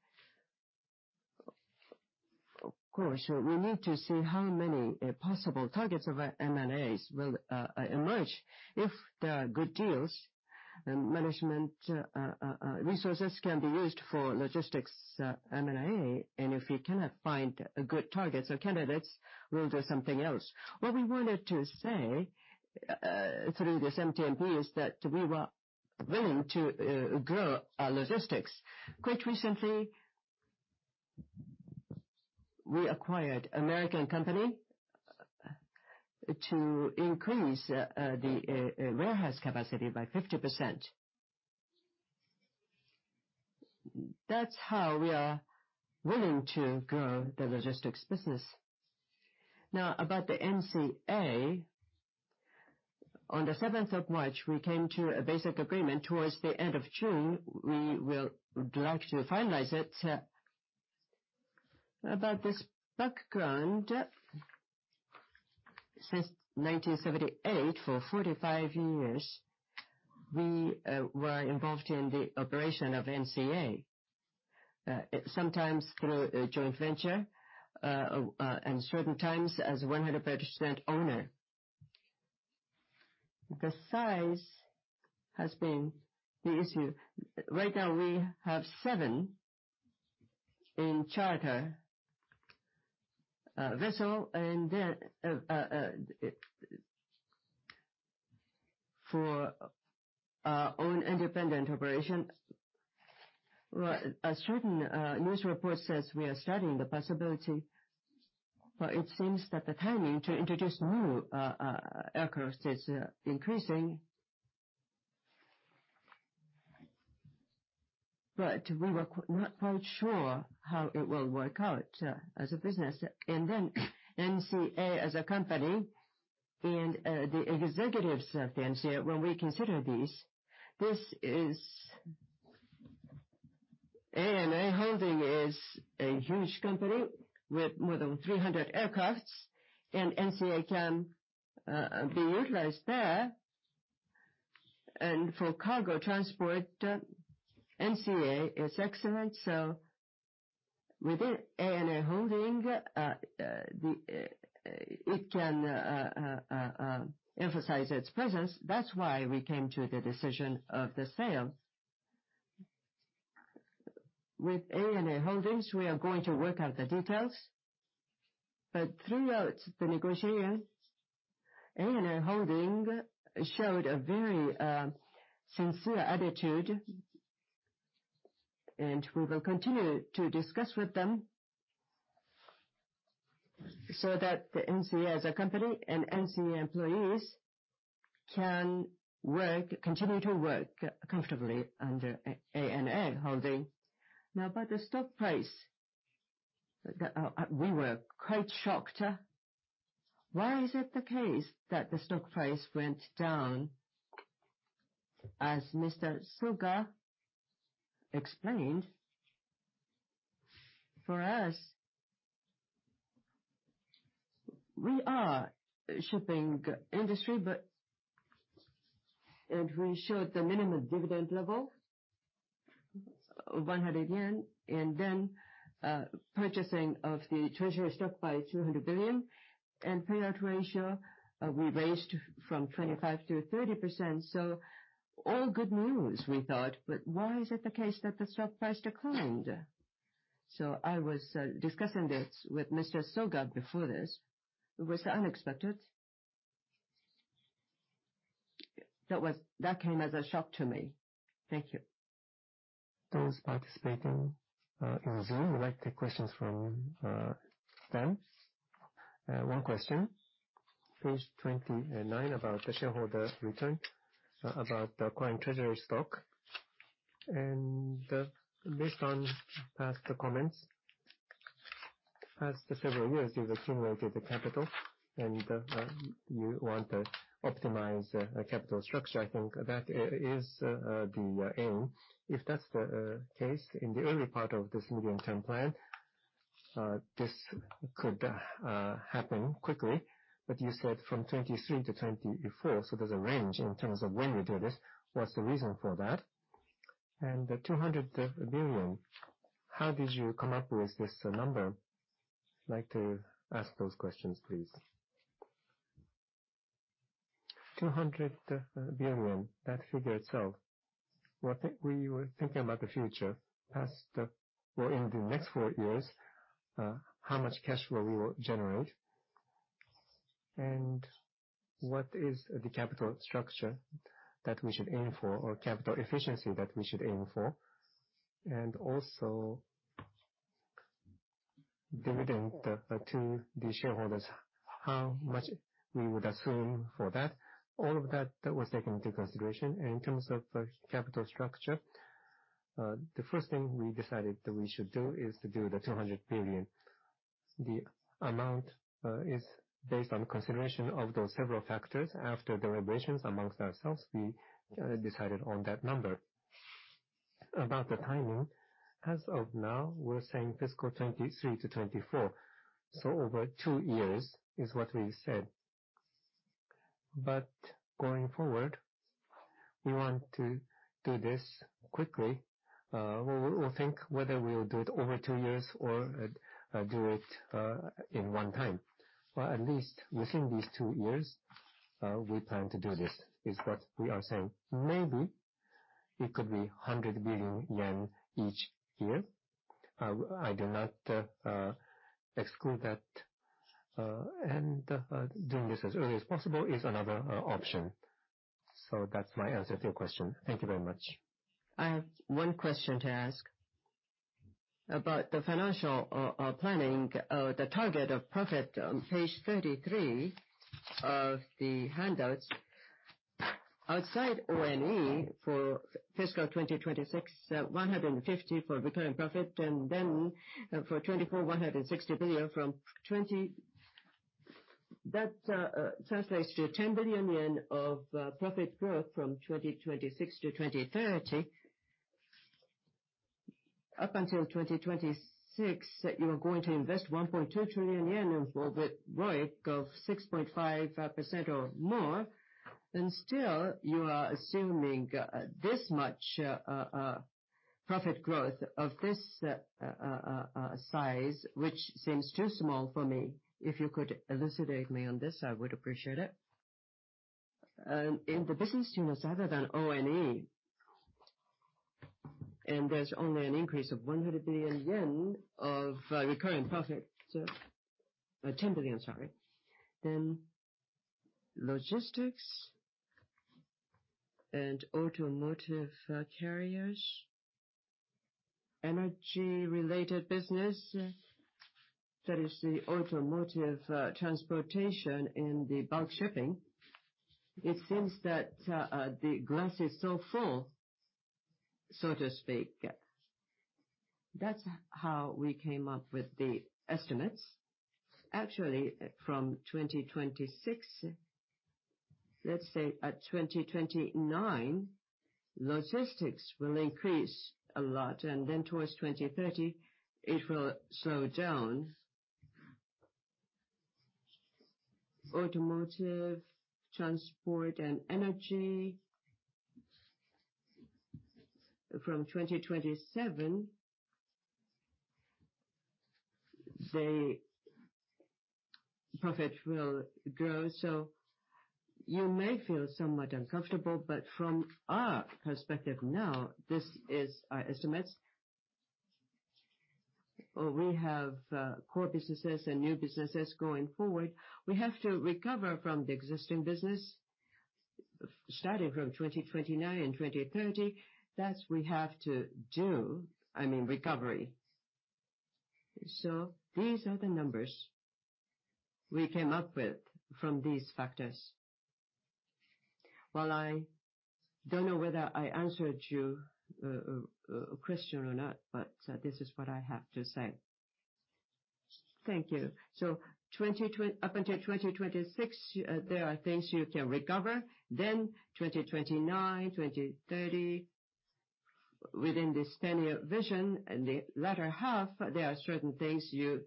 of course, we need to see how many possible targets of M&As will emerge. If there are good deals, management resources can be used for logistics M&A, and if we cannot find good targets or candidates, we will do something else. What we wanted to say through this MTMP is that we were willing to grow our logistics. Quite recently, we acquired an American company to increase the warehouse capacity by 50%. That is how we are willing to grow the logistics business. About the NCA, on the 7th of March, we came to a basic agreement. Towards the end of June, we would like to finalize it. About this background, since 1978, for 45 years, we were involved in the operation of NCA, sometimes through a joint venture, and certain times as 100% owner. The size has been the issue. Right now, we have seven in charter vessel, and then for our own independent operation. A certain news report says we are studying the possibility, but it seems that the timing to introduce new aircraft is increasing. We were not quite sure how it will work out as a business. NCA as a company and the executives of NCA, when we consider this, ANA Holdings is a huge company with more than 300 aircraft, and NCA can be utilized there. For cargo transport, NCA is excellent. Within ANA Holdings, it can emphasize its presence. That is why we came to the decision of the sale. With ANA Holdings, we are going to work out the details. Throughout the negotiation, ANA Holdings showed a very sincere attitude, and we will continue to discuss with them so that the NCA as a company and NCA employees can continue to work comfortably under ANA Holdings. About the stock price, we were quite shocked. Why is it the case that the stock price went down? As Mr. Suga explained, for us, we are a shipping industry, and we showed the minimum dividend level of 100 yen, and then purchasing of the treasury stock by 200 billion, and payout ratio, we raised from 25%-30%. All good news, we thought, why is it the case that the stock price declined? I was discussing this with Mr. Suga before this. It was unexpected. That came as a shock to me. Thank you. Those participating in Zoom, we'd like to take questions from them. One question, page 29, about the shareholder return, about acquiring treasury stock. Based on past comments, past several years, you've accumulated the capital, and you want to optimize capital structure. I think that is the aim. If that's the case, in the early part of this medium-term plan, this could happen quickly. You said from 2023 to 2024, so there's a range in terms of when you do this. What's the reason for that? And the 200 billion, how did you come up with this number? I'd like to ask those questions, please. 200 billion, that figure itself, we were thinking about the future, past or in the next four years, how much cash flow we will generate, and what is the capital structure that we should aim for, or capital efficiency that we should aim for. Also dividend to the shareholders, how much we would assume for that. All of that was taken into consideration. In terms of capital structure, the first thing we decided that we should do is to do the 200 billion. The amount is based on consideration of those several factors. After deliberations amongst ourselves, we decided on that number. About the timing, as of now, we're saying fiscal 2023 to 2024. Over two years is what we said. Going forward, we want to do this quickly. We will think whether we'll do it over two years or do it in one time. At least within these two years, we plan to do this, is what we are saying. Maybe it could be 100 billion yen each year. I do not exclude that. Doing this as early as possible is another option. That's my answer to your question. Thank you very much. I have one question to ask. About the financial planning, the target of profit on page 33 of the handouts. Outside ONE for fiscal 2026, 150 billion for recurring profit, for 2024, 160 billion from 2020. That translates to 10 billion yen of profit growth from 2026 to 2030. Up until 2026, you are going to invest 1.2 trillion yen in ROIC of 6.5% or more, still you are assuming this much profit growth of this size, which seems too small for me. If you could elucidate me on this, I would appreciate it. In the business units other than ONE, there's only an increase of 100 billion yen of recurring profit. 10 billion, sorry. Logistics and automotive carriers, energy-related business, that is the automotive transportation and the bulk shipping. It seems that the glass is still full, so to speak. That's how we came up with the estimates. Actually, from 2026, let's say at 2029, logistics will increase a lot. Then towards 2030, it will slow down. Automotive, transport, and energy, from 2027, the profit will grow. You may feel somewhat uncomfortable, but from our perspective now, this is our estimate. We have core businesses and new businesses going forward. We have to recover from the existing business, starting from 2029 and 2030. That, we have to do, I mean, recovery. These are the numbers we came up with from these factors. Well, I don't know whether I answered your question or not, but this is what I have to say. Thank you. Up until 2026, there are things you can recover. Then 2029, 2030, within this 10-year vision, in the latter half, there are certain things you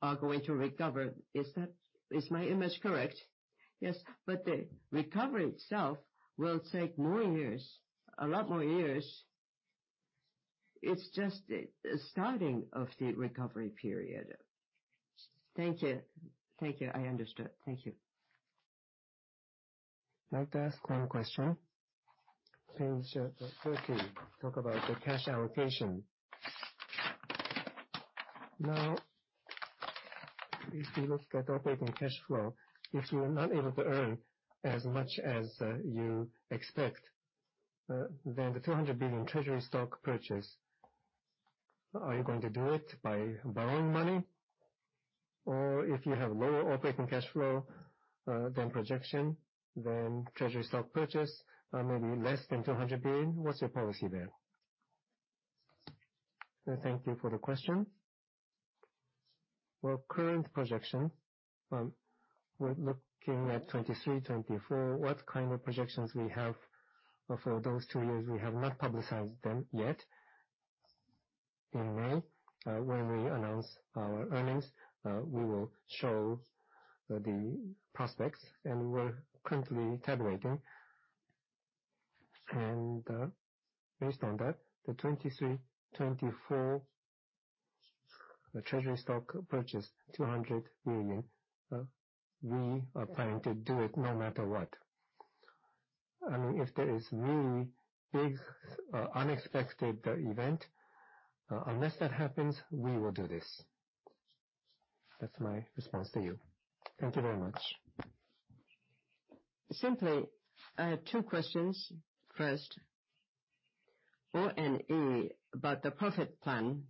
are going to recover. Is my image correct? Yes. The recovery itself will take more years, a lot more years. It's just the starting of the recovery period. Thank you. I understood. Thank you. I'd like to ask one question. Page 30, talk about the cash allocation. Now, if you look at operating cash flow, if you are not able to earn as much as you expect, then the 200 billion treasury stock purchase, are you going to do it by borrowing money? If you have lower operating cash flow than projection, then treasury stock purchase may be less than 200 billion. What's your policy there? Thank you for the question. Our current projection, we're looking at 2023, 2024. What kind of projections we have for those two years, we have not publicized them yet. In May, when we announce our earnings, we will show the prospects, and we're currently tabulating. Based on that, the 2023, 2024 treasury stock purchase 200 billion, we are planning to do it no matter what. I mean, if there is really big unexpected event, unless that happens, we will do this. That's my response to you. Thank you very much. Simply, I have two questions. First, ONE, about the profit plan.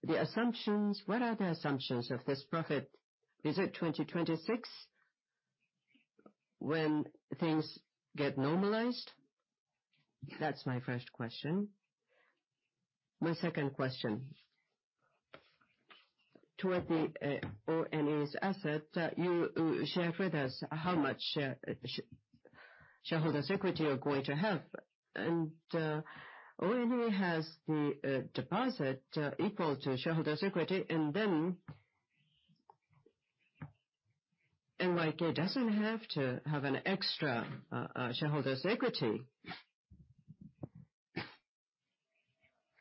What are the assumptions of this profit? Is it 2026 when things get normalized? That's my first question. My second question, toward the ONE's asset, you share with us how much shareholders' equity you're going to have. ONE has the deposit equal to shareholders' equity, and then NYK doesn't have to have an extra shareholders' equity.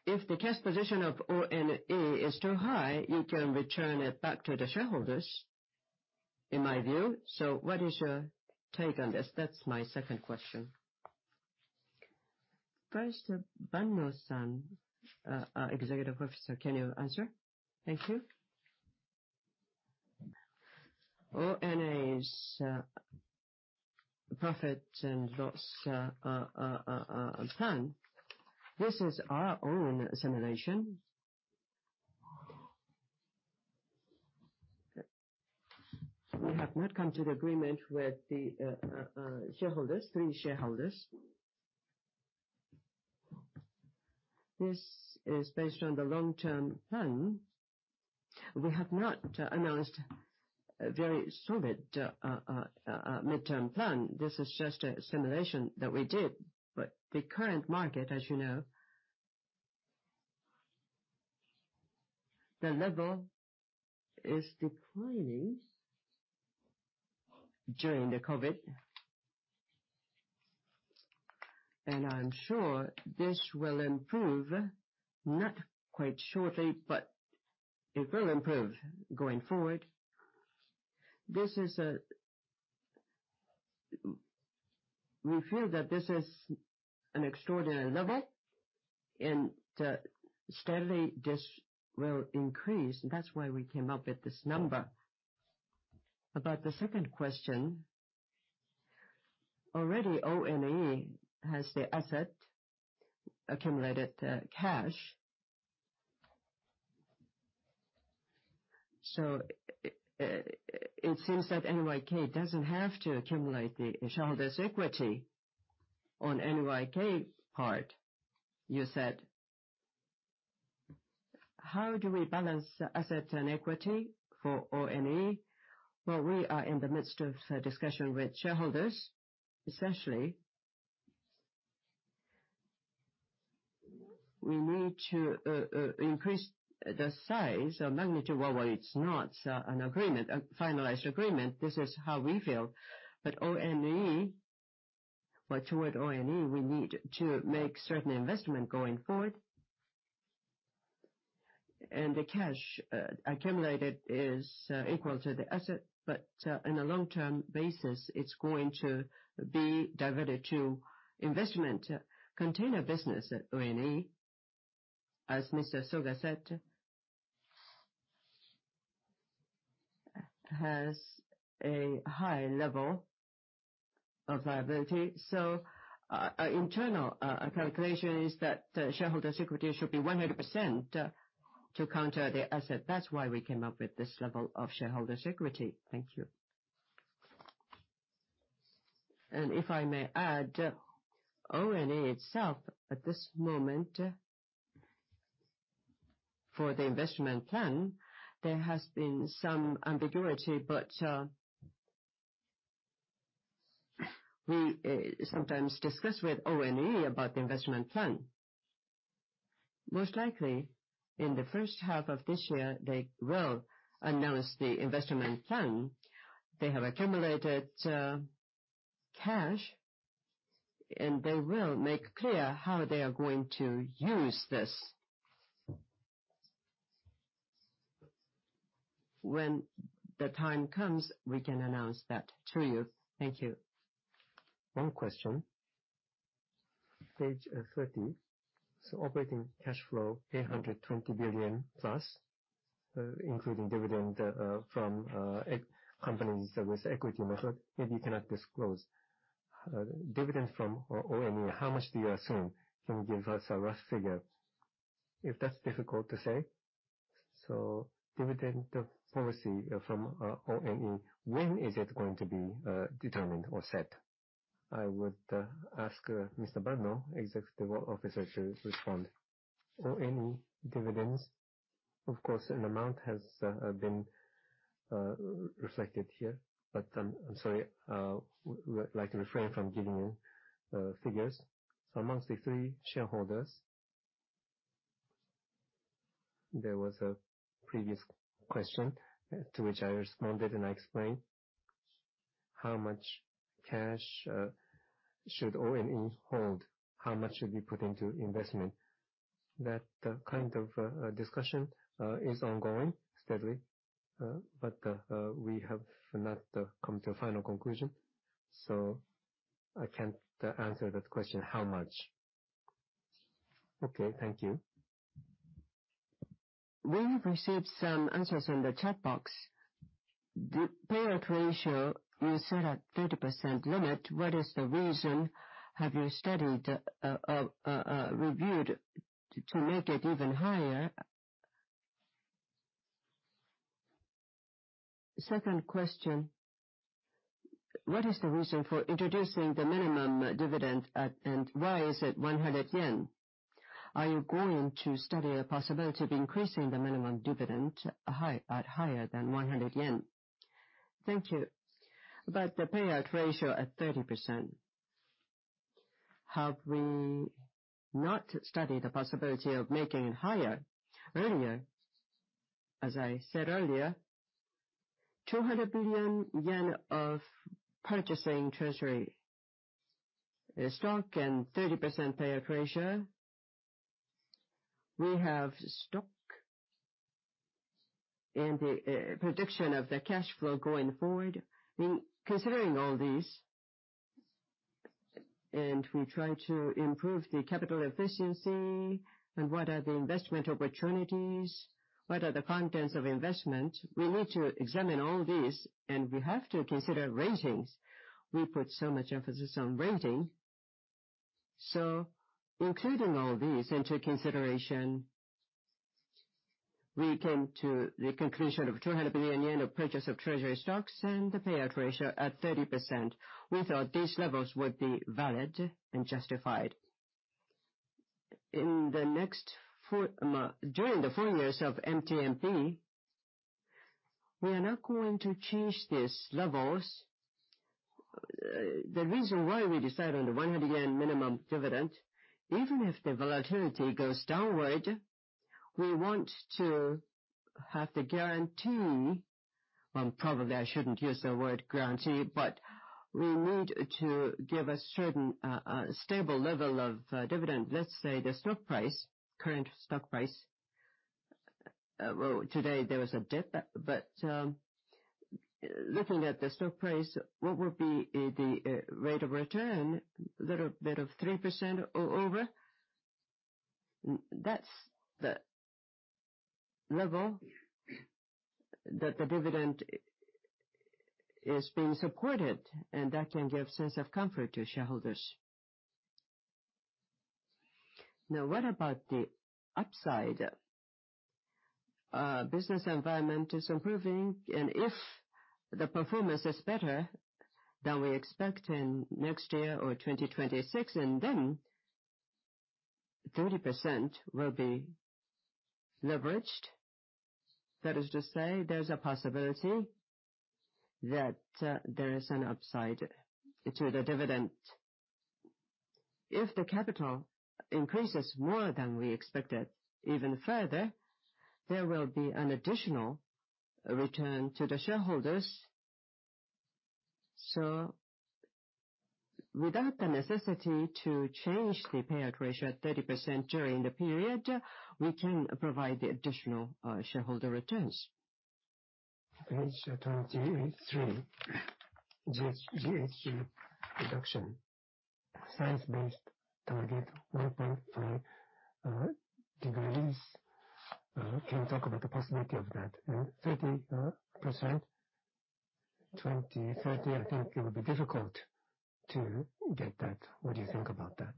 If the test position of ONE is too high, you can return it back to the shareholders, in my view. What is your take on this? That's my second question. First, Banno-san, Executive Officer, can you answer? Thank you. ONE's profit and loss plan, this is our own simulation. We have not come to the agreement with the three shareholders. This is based on the long-term plan. We have not announced a very solid mid-term plan. This is just a simulation that we did. The current market, as you know, the level is declining during the COVID. I'm sure this will improve, not quite shortly, but it will improve going forward. We feel that this is an extraordinary level, and steadily this will increase. That's why we came up with this number. About the second question, already ONE has the asset, accumulated cash. It seems that NYK doesn't have to accumulate the shareholders' equity on NYK part, you said. How do we balance the asset and equity for ONE? We are in the midst of discussion with shareholders, especially. We need to increase the size or magnitude. It's not a finalized agreement. This is how we feel. Toward ONE, we need to make certain investment going forward. The cash accumulated is equal to the asset, but in a long-term basis, it's going to be diverted to investment. Container business at ONE, as Mr. Soga said, has a high level of liability. Our internal calculation is that shareholders' equity should be 100% to counter the asset. That's why we came up with this level of shareholders' equity. Thank you. If I may add, ONE itself, at this moment, for the investment plan, there has been some ambiguity, but we sometimes discuss with ONE about the investment plan. Most likely, in the first half of this year, they will announce the investment plan. They have accumulated cash, and they will make clear how they are going to use this. When the time comes, we can announce that to you. Thank you. One question. Page 30, operating cash flow 820 billion plus, including dividend from companies with equity method, maybe you cannot disclose. Dividend from ONE, how much do you assume? Can you give us a rough figure? If that's difficult to say, dividend policy from ONE, when is it going to be determined or set? I would ask Mr. Banno, Executive Officer, to respond. ONE dividends, of course, an amount has been reflected here, I'm sorry. We would like to refrain from giving you figures. Amongst the three shareholders, there was a previous question to which I responded, and I explained how much cash should ONE hold, how much should be put into investment. That kind of discussion is ongoing steadily, we have not come to a final conclusion, I can't answer that question, how much. Okay. Thank you. We have received some answers in the chat box. The payout ratio is set at 30% limit. What is the reason? Have you studied or reviewed to make it even higher? Second question, what is the reason for introducing the minimum dividend, and why is it 100 yen? Are you going to study the possibility of increasing the minimum dividend at higher than 100 yen? Thank you. About the payout ratio at 30%, have we not studied the possibility of making it higher earlier? As I said earlier, 200 billion yen of purchasing treasury stock, and 30% payout ratio. We have stock and the prediction of the cash flow going forward. Considering all these, we try to improve the capital efficiency and what are the investment opportunities, what are the contents of investment? We need to examine all these, we have to consider ratings. We put so much emphasis on rating. Including all these into consideration, we came to the conclusion of 200 billion yen of purchase of Treasury stocks and the payout ratio at 30%. We thought these levels would be valid and justified. During the four years of MTMP, we are not going to change these levels. The reason why we decide on the 100 yen minimum dividend, even if the volatility goes downward, we want to have the guarantee. Well, probably I shouldn't use the word guarantee, we need to give a certain stable level of dividend. Let's say the stock price, current stock price. Well, today there was a dip, looking at the stock price, what would be the rate of return? A little bit of 3% or over. That's the level that the dividend is being supported, that can give a sense of comfort to shareholders. Now, what about the upside? Business environment is improving, if the performance is better than we expect in next year or 2026, 30% will be leveraged. That is to say, there's a possibility that there is an upside to the dividend. If the capital increases more than we expected, even further, there will be an additional return to the shareholders. Without the necessity to change the payout ratio at 30% during the period, we can provide the additional shareholder returns. Page 23. GHG reduction. Science-based target, 1.5 degrees. Can you talk about the possibility of that? 30% 2030, I think it would be difficult to get that. What do you think about that?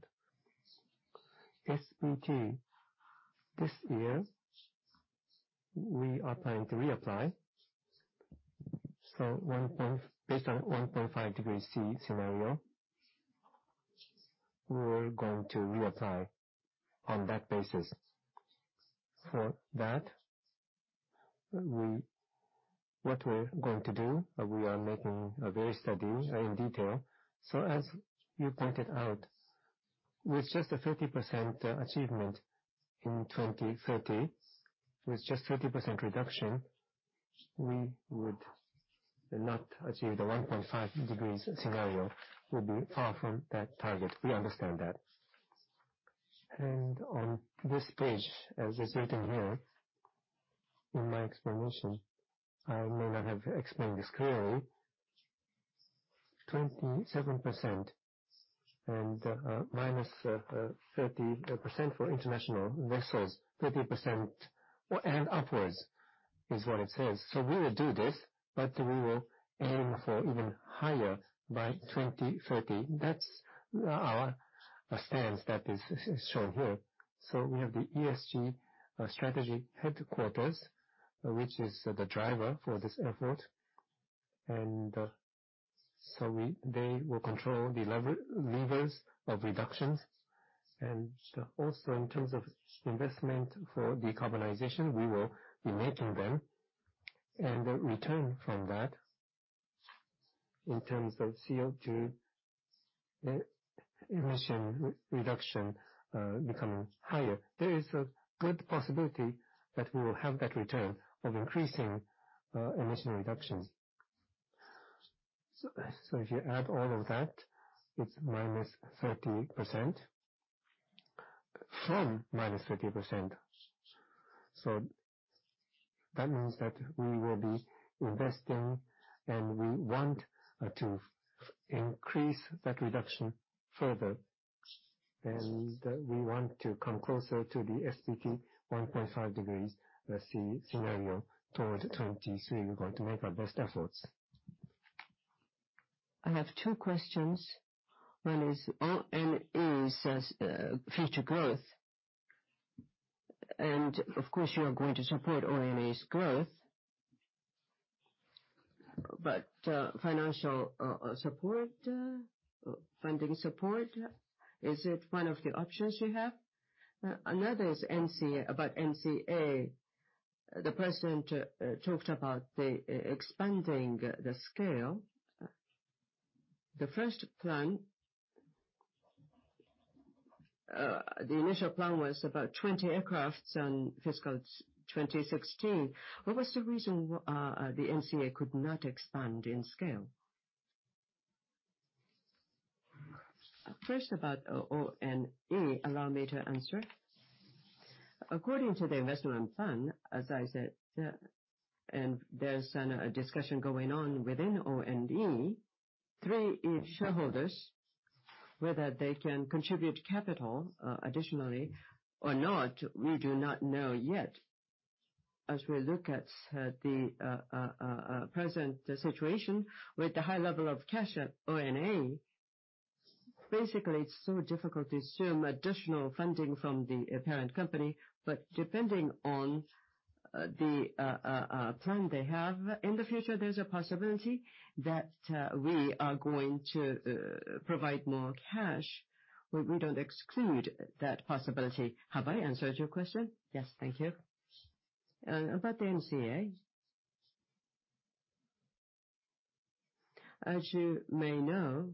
SBT, this year, we are planning to reapply. Based on 1.5 degree C scenario, we're going to reapply on that basis. For that, what we're going to do, we are making a very detailed study in detail. As you pointed out, with just a 30% achievement in 2030, with just 30% reduction, we would not achieve the 1.5 degrees scenario. We'll be far from that target. We understand that. On this page, as is written here in my explanation, I may not have explained this clearly, 27% and minus 30% for international vessels, 30% and upwards is what it says. We will do this, but we will aim for even higher by 2030. That's our stance that is shown here. We have the ESG strategy headquarters, which is the driver for this effort. They will control the levers of reductions. Also in terms of investment for decarbonization, we will be making them. The return from that In terms of CO2 emission reduction becoming higher, there is a good possibility that we will have that return of increasing emission reductions. If you add all of that, it's minus 30% from minus 50%. That means that we will be investing, and we want to increase that reduction further, and we want to come closer to the SBT 1.5 degrees C scenario toward 2030. We're going to make our best efforts. I have two questions. One is, ONE says future growth. Of course, you are going to support ONE's growth. Financial support, funding support, is it one of the options you have? Another is about NCA. The president talked about expanding the scale. The first plan, the initial plan was about 20 aircrafts in fiscal 2016. What was the reason the NCA could not expand in scale? First about ONE, allow me to answer. According to the investment plan, as I said, there's a discussion going on within ONE, three shareholders, whether they can contribute capital additionally or not, we do not know yet. As we look at the present situation with the high level of cash at ONE, basically, it's so difficult to assume additional funding from the parent company. Depending on the plan they have in the future, there's a possibility that we are going to provide more cash. We don't exclude that possibility. Have I answered your question? Yes, thank you. About the NCA, as you may know,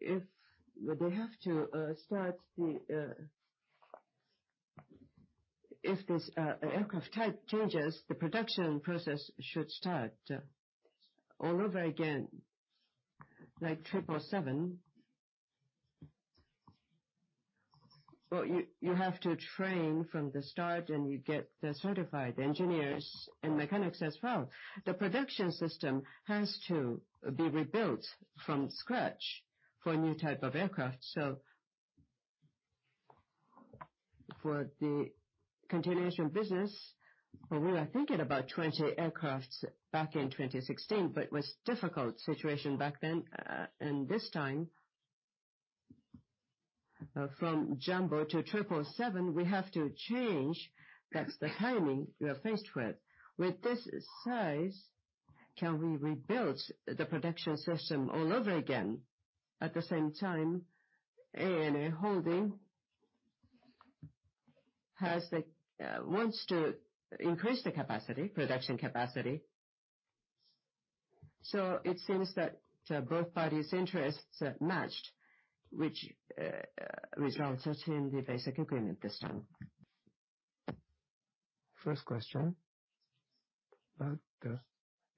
if this aircraft type changes, the production process should start all over again, like 777, where you have to train from the start, and you get the certified engineers and mechanics as well. The production system has to be rebuilt from scratch for a new type of aircraft. For the continuation business, we were thinking about 20 aircrafts back in 2016, but it was a difficult situation back then. This time, from jumbo to 777, we have to change. That's the timing we are faced with. With this size, can we rebuild the production system all over again? At the same time, ANA Holdings wants to increase the production capacity. It seems that both parties' interests matched, which resulted in the basic agreement this time. First question, about the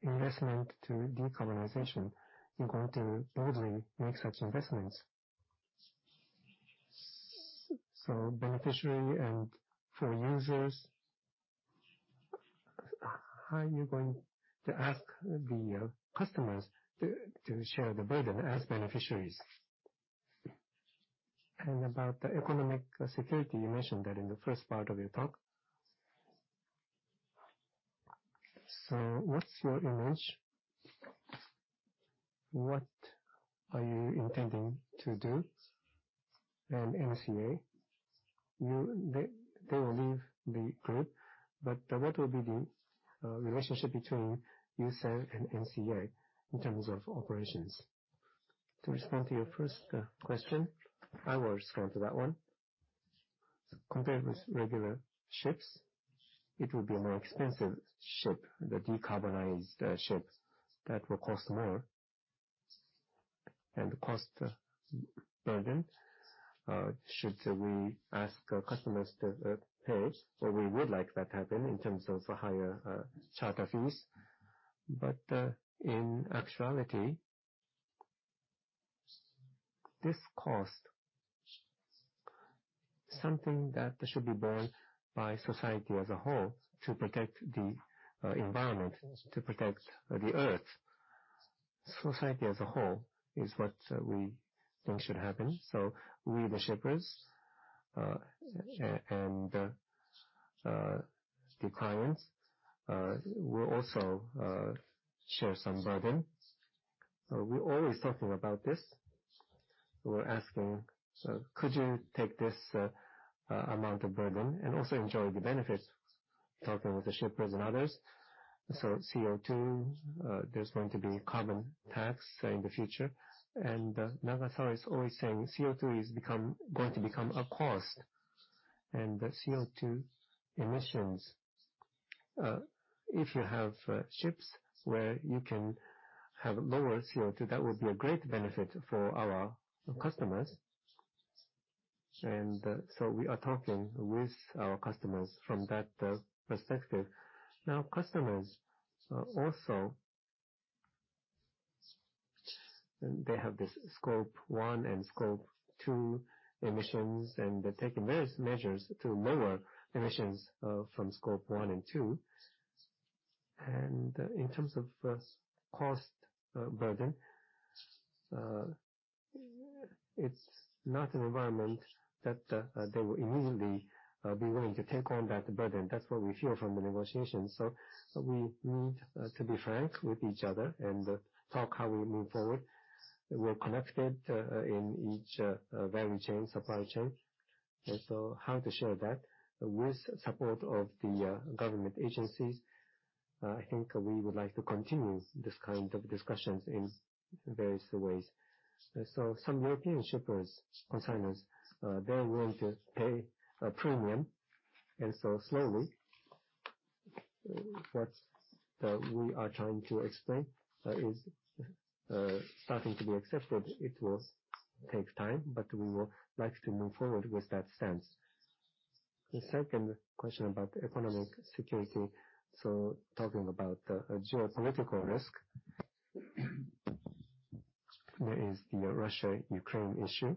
investment to decarbonization. You're going to boldly make such investments. Beneficiary and for users, how are you going to ask the customers to share the burden as beneficiaries? About the economic security, you mentioned that in the first part of your talk. What's your image? What are you intending to do? NCA, they will leave the group, but what will be the relationship between Yusen and NCA in terms of operations? To respond to your first question, I will respond to that one. Compared with regular ships, it will be a more expensive ship, the decarbonized ship. That will cost more, and the cost burden, should we ask customers to pay, or we would like that happen in terms of higher charter fees. In actuality, this cost, something that should be borne by society as a whole to protect the environment, to protect the Earth. Society as a whole is what we think should happen. We, the shippers, and the clients will also share some burden. We're always talking about this. We're asking, "Could you take this amount of burden and also enjoy the benefits?" Talking with the shippers and others. CO2, there's going to be a carbon tax in the future. Nagasawa is always saying CO2 is going to become a cost. The CO2 emissions. If you have ships where you can have lower CO2, that would be a great benefit for our customers. We are talking with our customers from that perspective. Now, customers also have this Scope 1 and Scope 2 emissions, and they're taking various measures to lower emissions from Scope 1 and 2. In terms of cost burden, it's not an environment that they will immediately be willing to take on that burden. That's what we hear from the negotiations. We need to be frank with each other and talk how we move forward. We're connected in each value chain, supply chain. How to share that with support of the government agencies, I think we would like to continue these kind of discussions in various ways. Some European shippers, consignors, they're willing to pay a premium, and so slowly, what we are trying to explain is starting to be accepted. It will take time, but we would like to move forward with that sense. The second question about economic security. Talking about geopolitical risk, there is the Russia-Ukraine issue,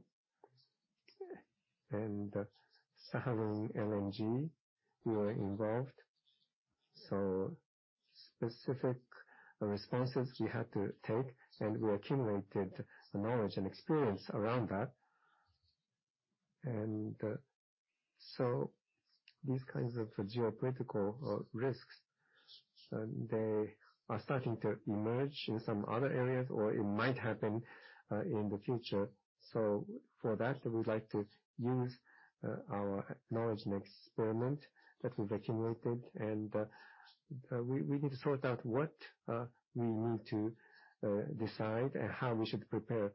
and the Sakhalin LNG, we were involved, specific responses we had to take, and we accumulated knowledge and experience around that. These kinds of geopolitical risks, they are starting to emerge in some other areas, or it might happen in the future. For that, we would like to use our knowledge and experiment that we've accumulated, and we need to sort out what we need to decide and how we should prepare.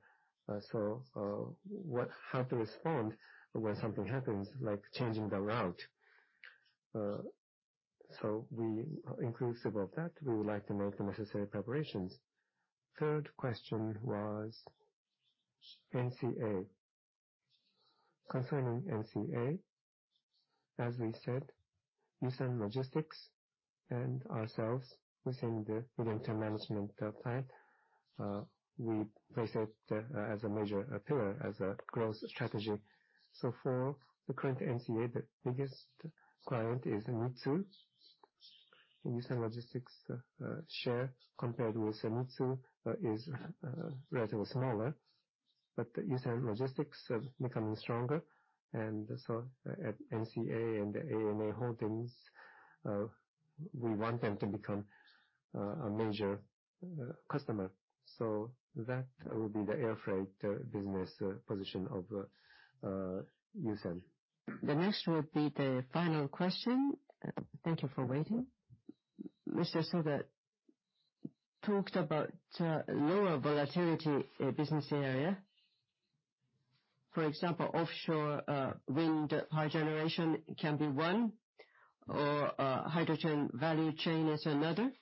How to respond when something happens, like changing the route. Inclusive of that, we would like to make the necessary preparations. Third question was NCA. Concerning NCA, as we said, Yusen Logistics and ourselves within the medium-term management plan, we place it as a major pillar, as a growth strategy. For the current NCA, the biggest client is Mitsui, and Yusen Logistics share, compared with Mitsui, is relatively smaller. Yusen Logistics are becoming stronger, and at NCA and ANA Holdings, we want them to become a major customer. That will be the air freight business position of Yusen. The next will be the final question. Thank you for waiting. Mr. Soga talked about lower volatility business area. For example, offshore wind power generation can be one, or hydrogen value chain is another.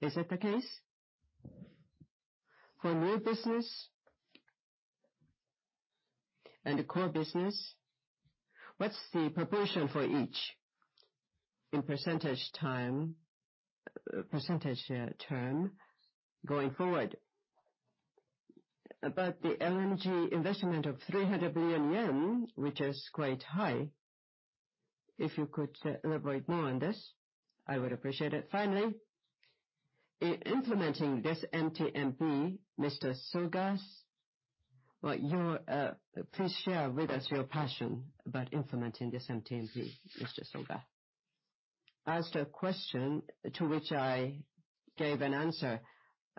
Is that the case? For new business and the core business, what's the proportion for each in percentage term going forward? About the LNG investment of 300 billion yen, which is quite high, if you could elaborate more on this, I would appreciate it. Finally, in implementing this MTMP, Mr. Soga, please share with us your passion about implementing this MTMP, Mr. Soga. Asked a question to which I gave an answer.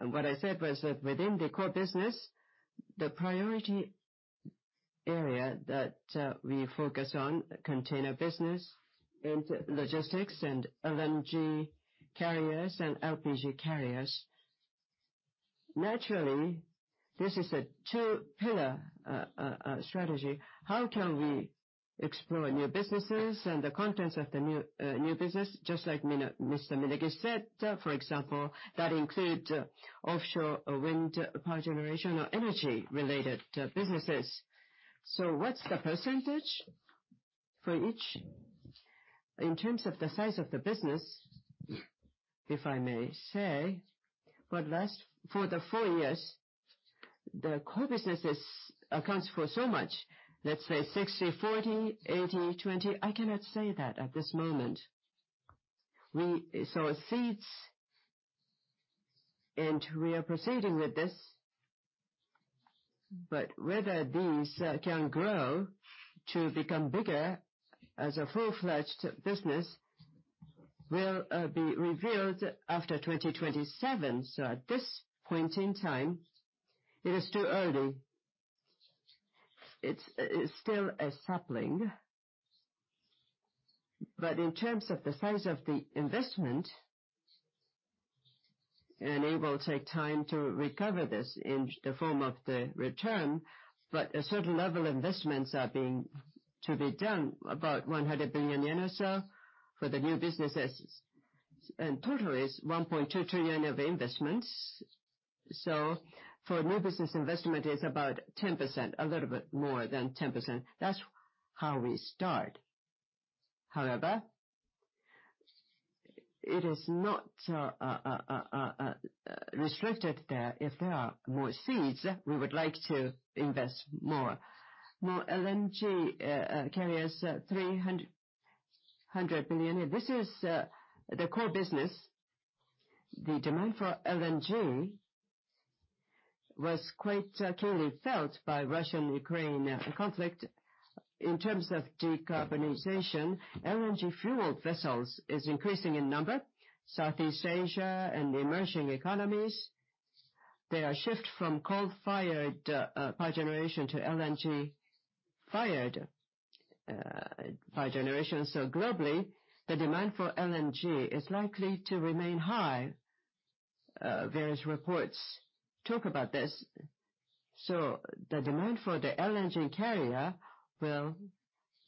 What I said was that within the core business, the priority area that we focus on, container business and logistics and LNG carriers and LPG carriers. Naturally, this is a two-pillar strategy. How can we explore new businesses and the contents of the new business, just like Mr. Minegishi said, for example, that include offshore wind power generation or energy-related businesses. What's the percentage for each? In terms of the size of the business, if I may say, for the four years, the core businesses accounts for so much. Let's say 60/40, 80/20, I cannot say that at this moment. We sow seeds, and we are proceeding with this, but whether these can grow to become bigger as a full-fledged business will be revealed after 2027. At this point in time, it is too early. It's still a sapling. But in terms of the size of the investment, and it will take time to recover this in the form of the return, but a certain level investments are to be done, about 100 billion yen or so for the new businesses. Total is 1.2 trillion of investments. For new business investment, it is about 10%, a little bit more than 10%. That is how we start. However, it is not restricted there. If there are more seeds, we would like to invest more. More LNG carriers, 300 billion. This is the core business. The demand for LNG was quite keenly felt by the Russian-Ukraine conflict. In terms of decarbonization, LNG fueled vessels are increasing in number. Southeast Asia and the emerging economies, there is a shift from coal-fired power generation to LNG-fired power generation. Globally, the demand for LNG is likely to remain high. Various reports talk about this. The demand for the LNG carrier will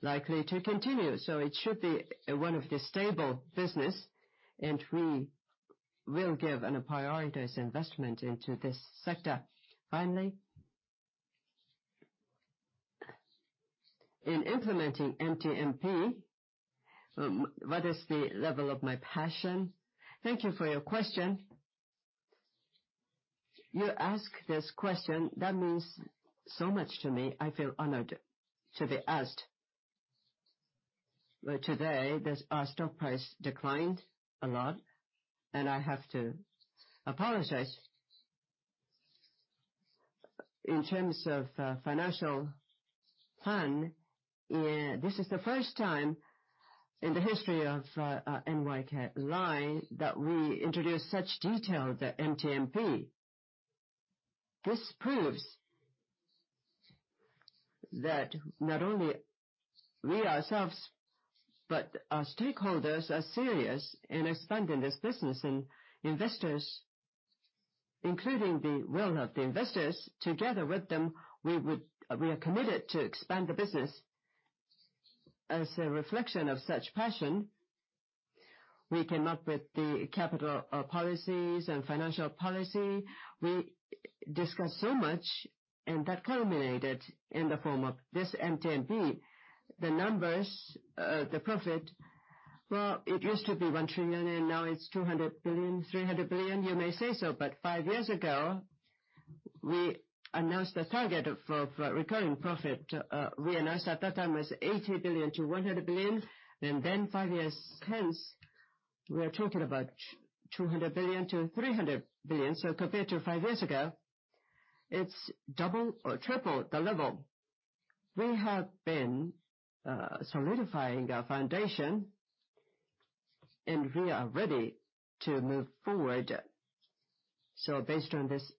likely continue. It should be one of the stable businesses, and we will give and prioritize investment into this sector. Finally, in implementing MTMP, what is the level of my passion? Thank you for your question. You ask this question, that means so much to me. I feel honored to be asked. Today, our stock price declined a lot, and I have to apologize. In terms of financial plan, this is the first time in the history of NYK Line that we introduce such detail, the MTMP. This proves that not only we ourselves, but our stakeholders are serious in expanding this business, and investors, including the will of the investors, together with them, we are committed to expand the business. As a reflection of such passion, we came up with the capital policies and financial policy. We discussed so much, and that culminated in the form of this MTMP. The numbers, the profit, well, it used to be 1 trillion, and now it is 200 billion, 300 billion, you may say so. Five years ago, we announced the target of recurring profit. We announced at that time was 80 billion to 100 billion. Five years hence, we are talking about 200 billion to 300 billion. Compared to five years ago, it is double or triple the level. We have been solidifying our foundation, and we are ready to move forward. Based on this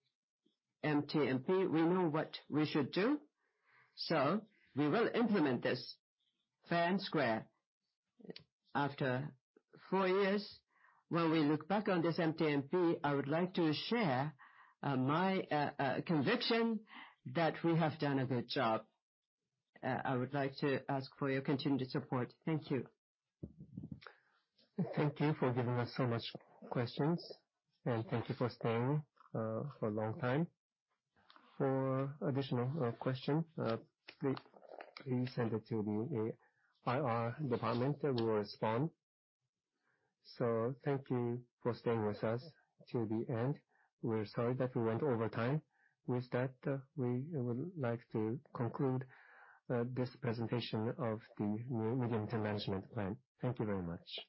MTMP, we know what we should do. We will implement this fair and square. After four years, when we look back on this MTMP, I would like to share my conviction that we have done a good job. I would like to ask for your continued support. Thank you. Thank you for giving us so many questions, and thank you for staying for a long time. For additional questions, please send it to the IR department. We will respond. Thank you for staying with us to the end. We are sorry that we went over time. With that, we would like to conclude this presentation of the new medium-term management plan. Thank you very much.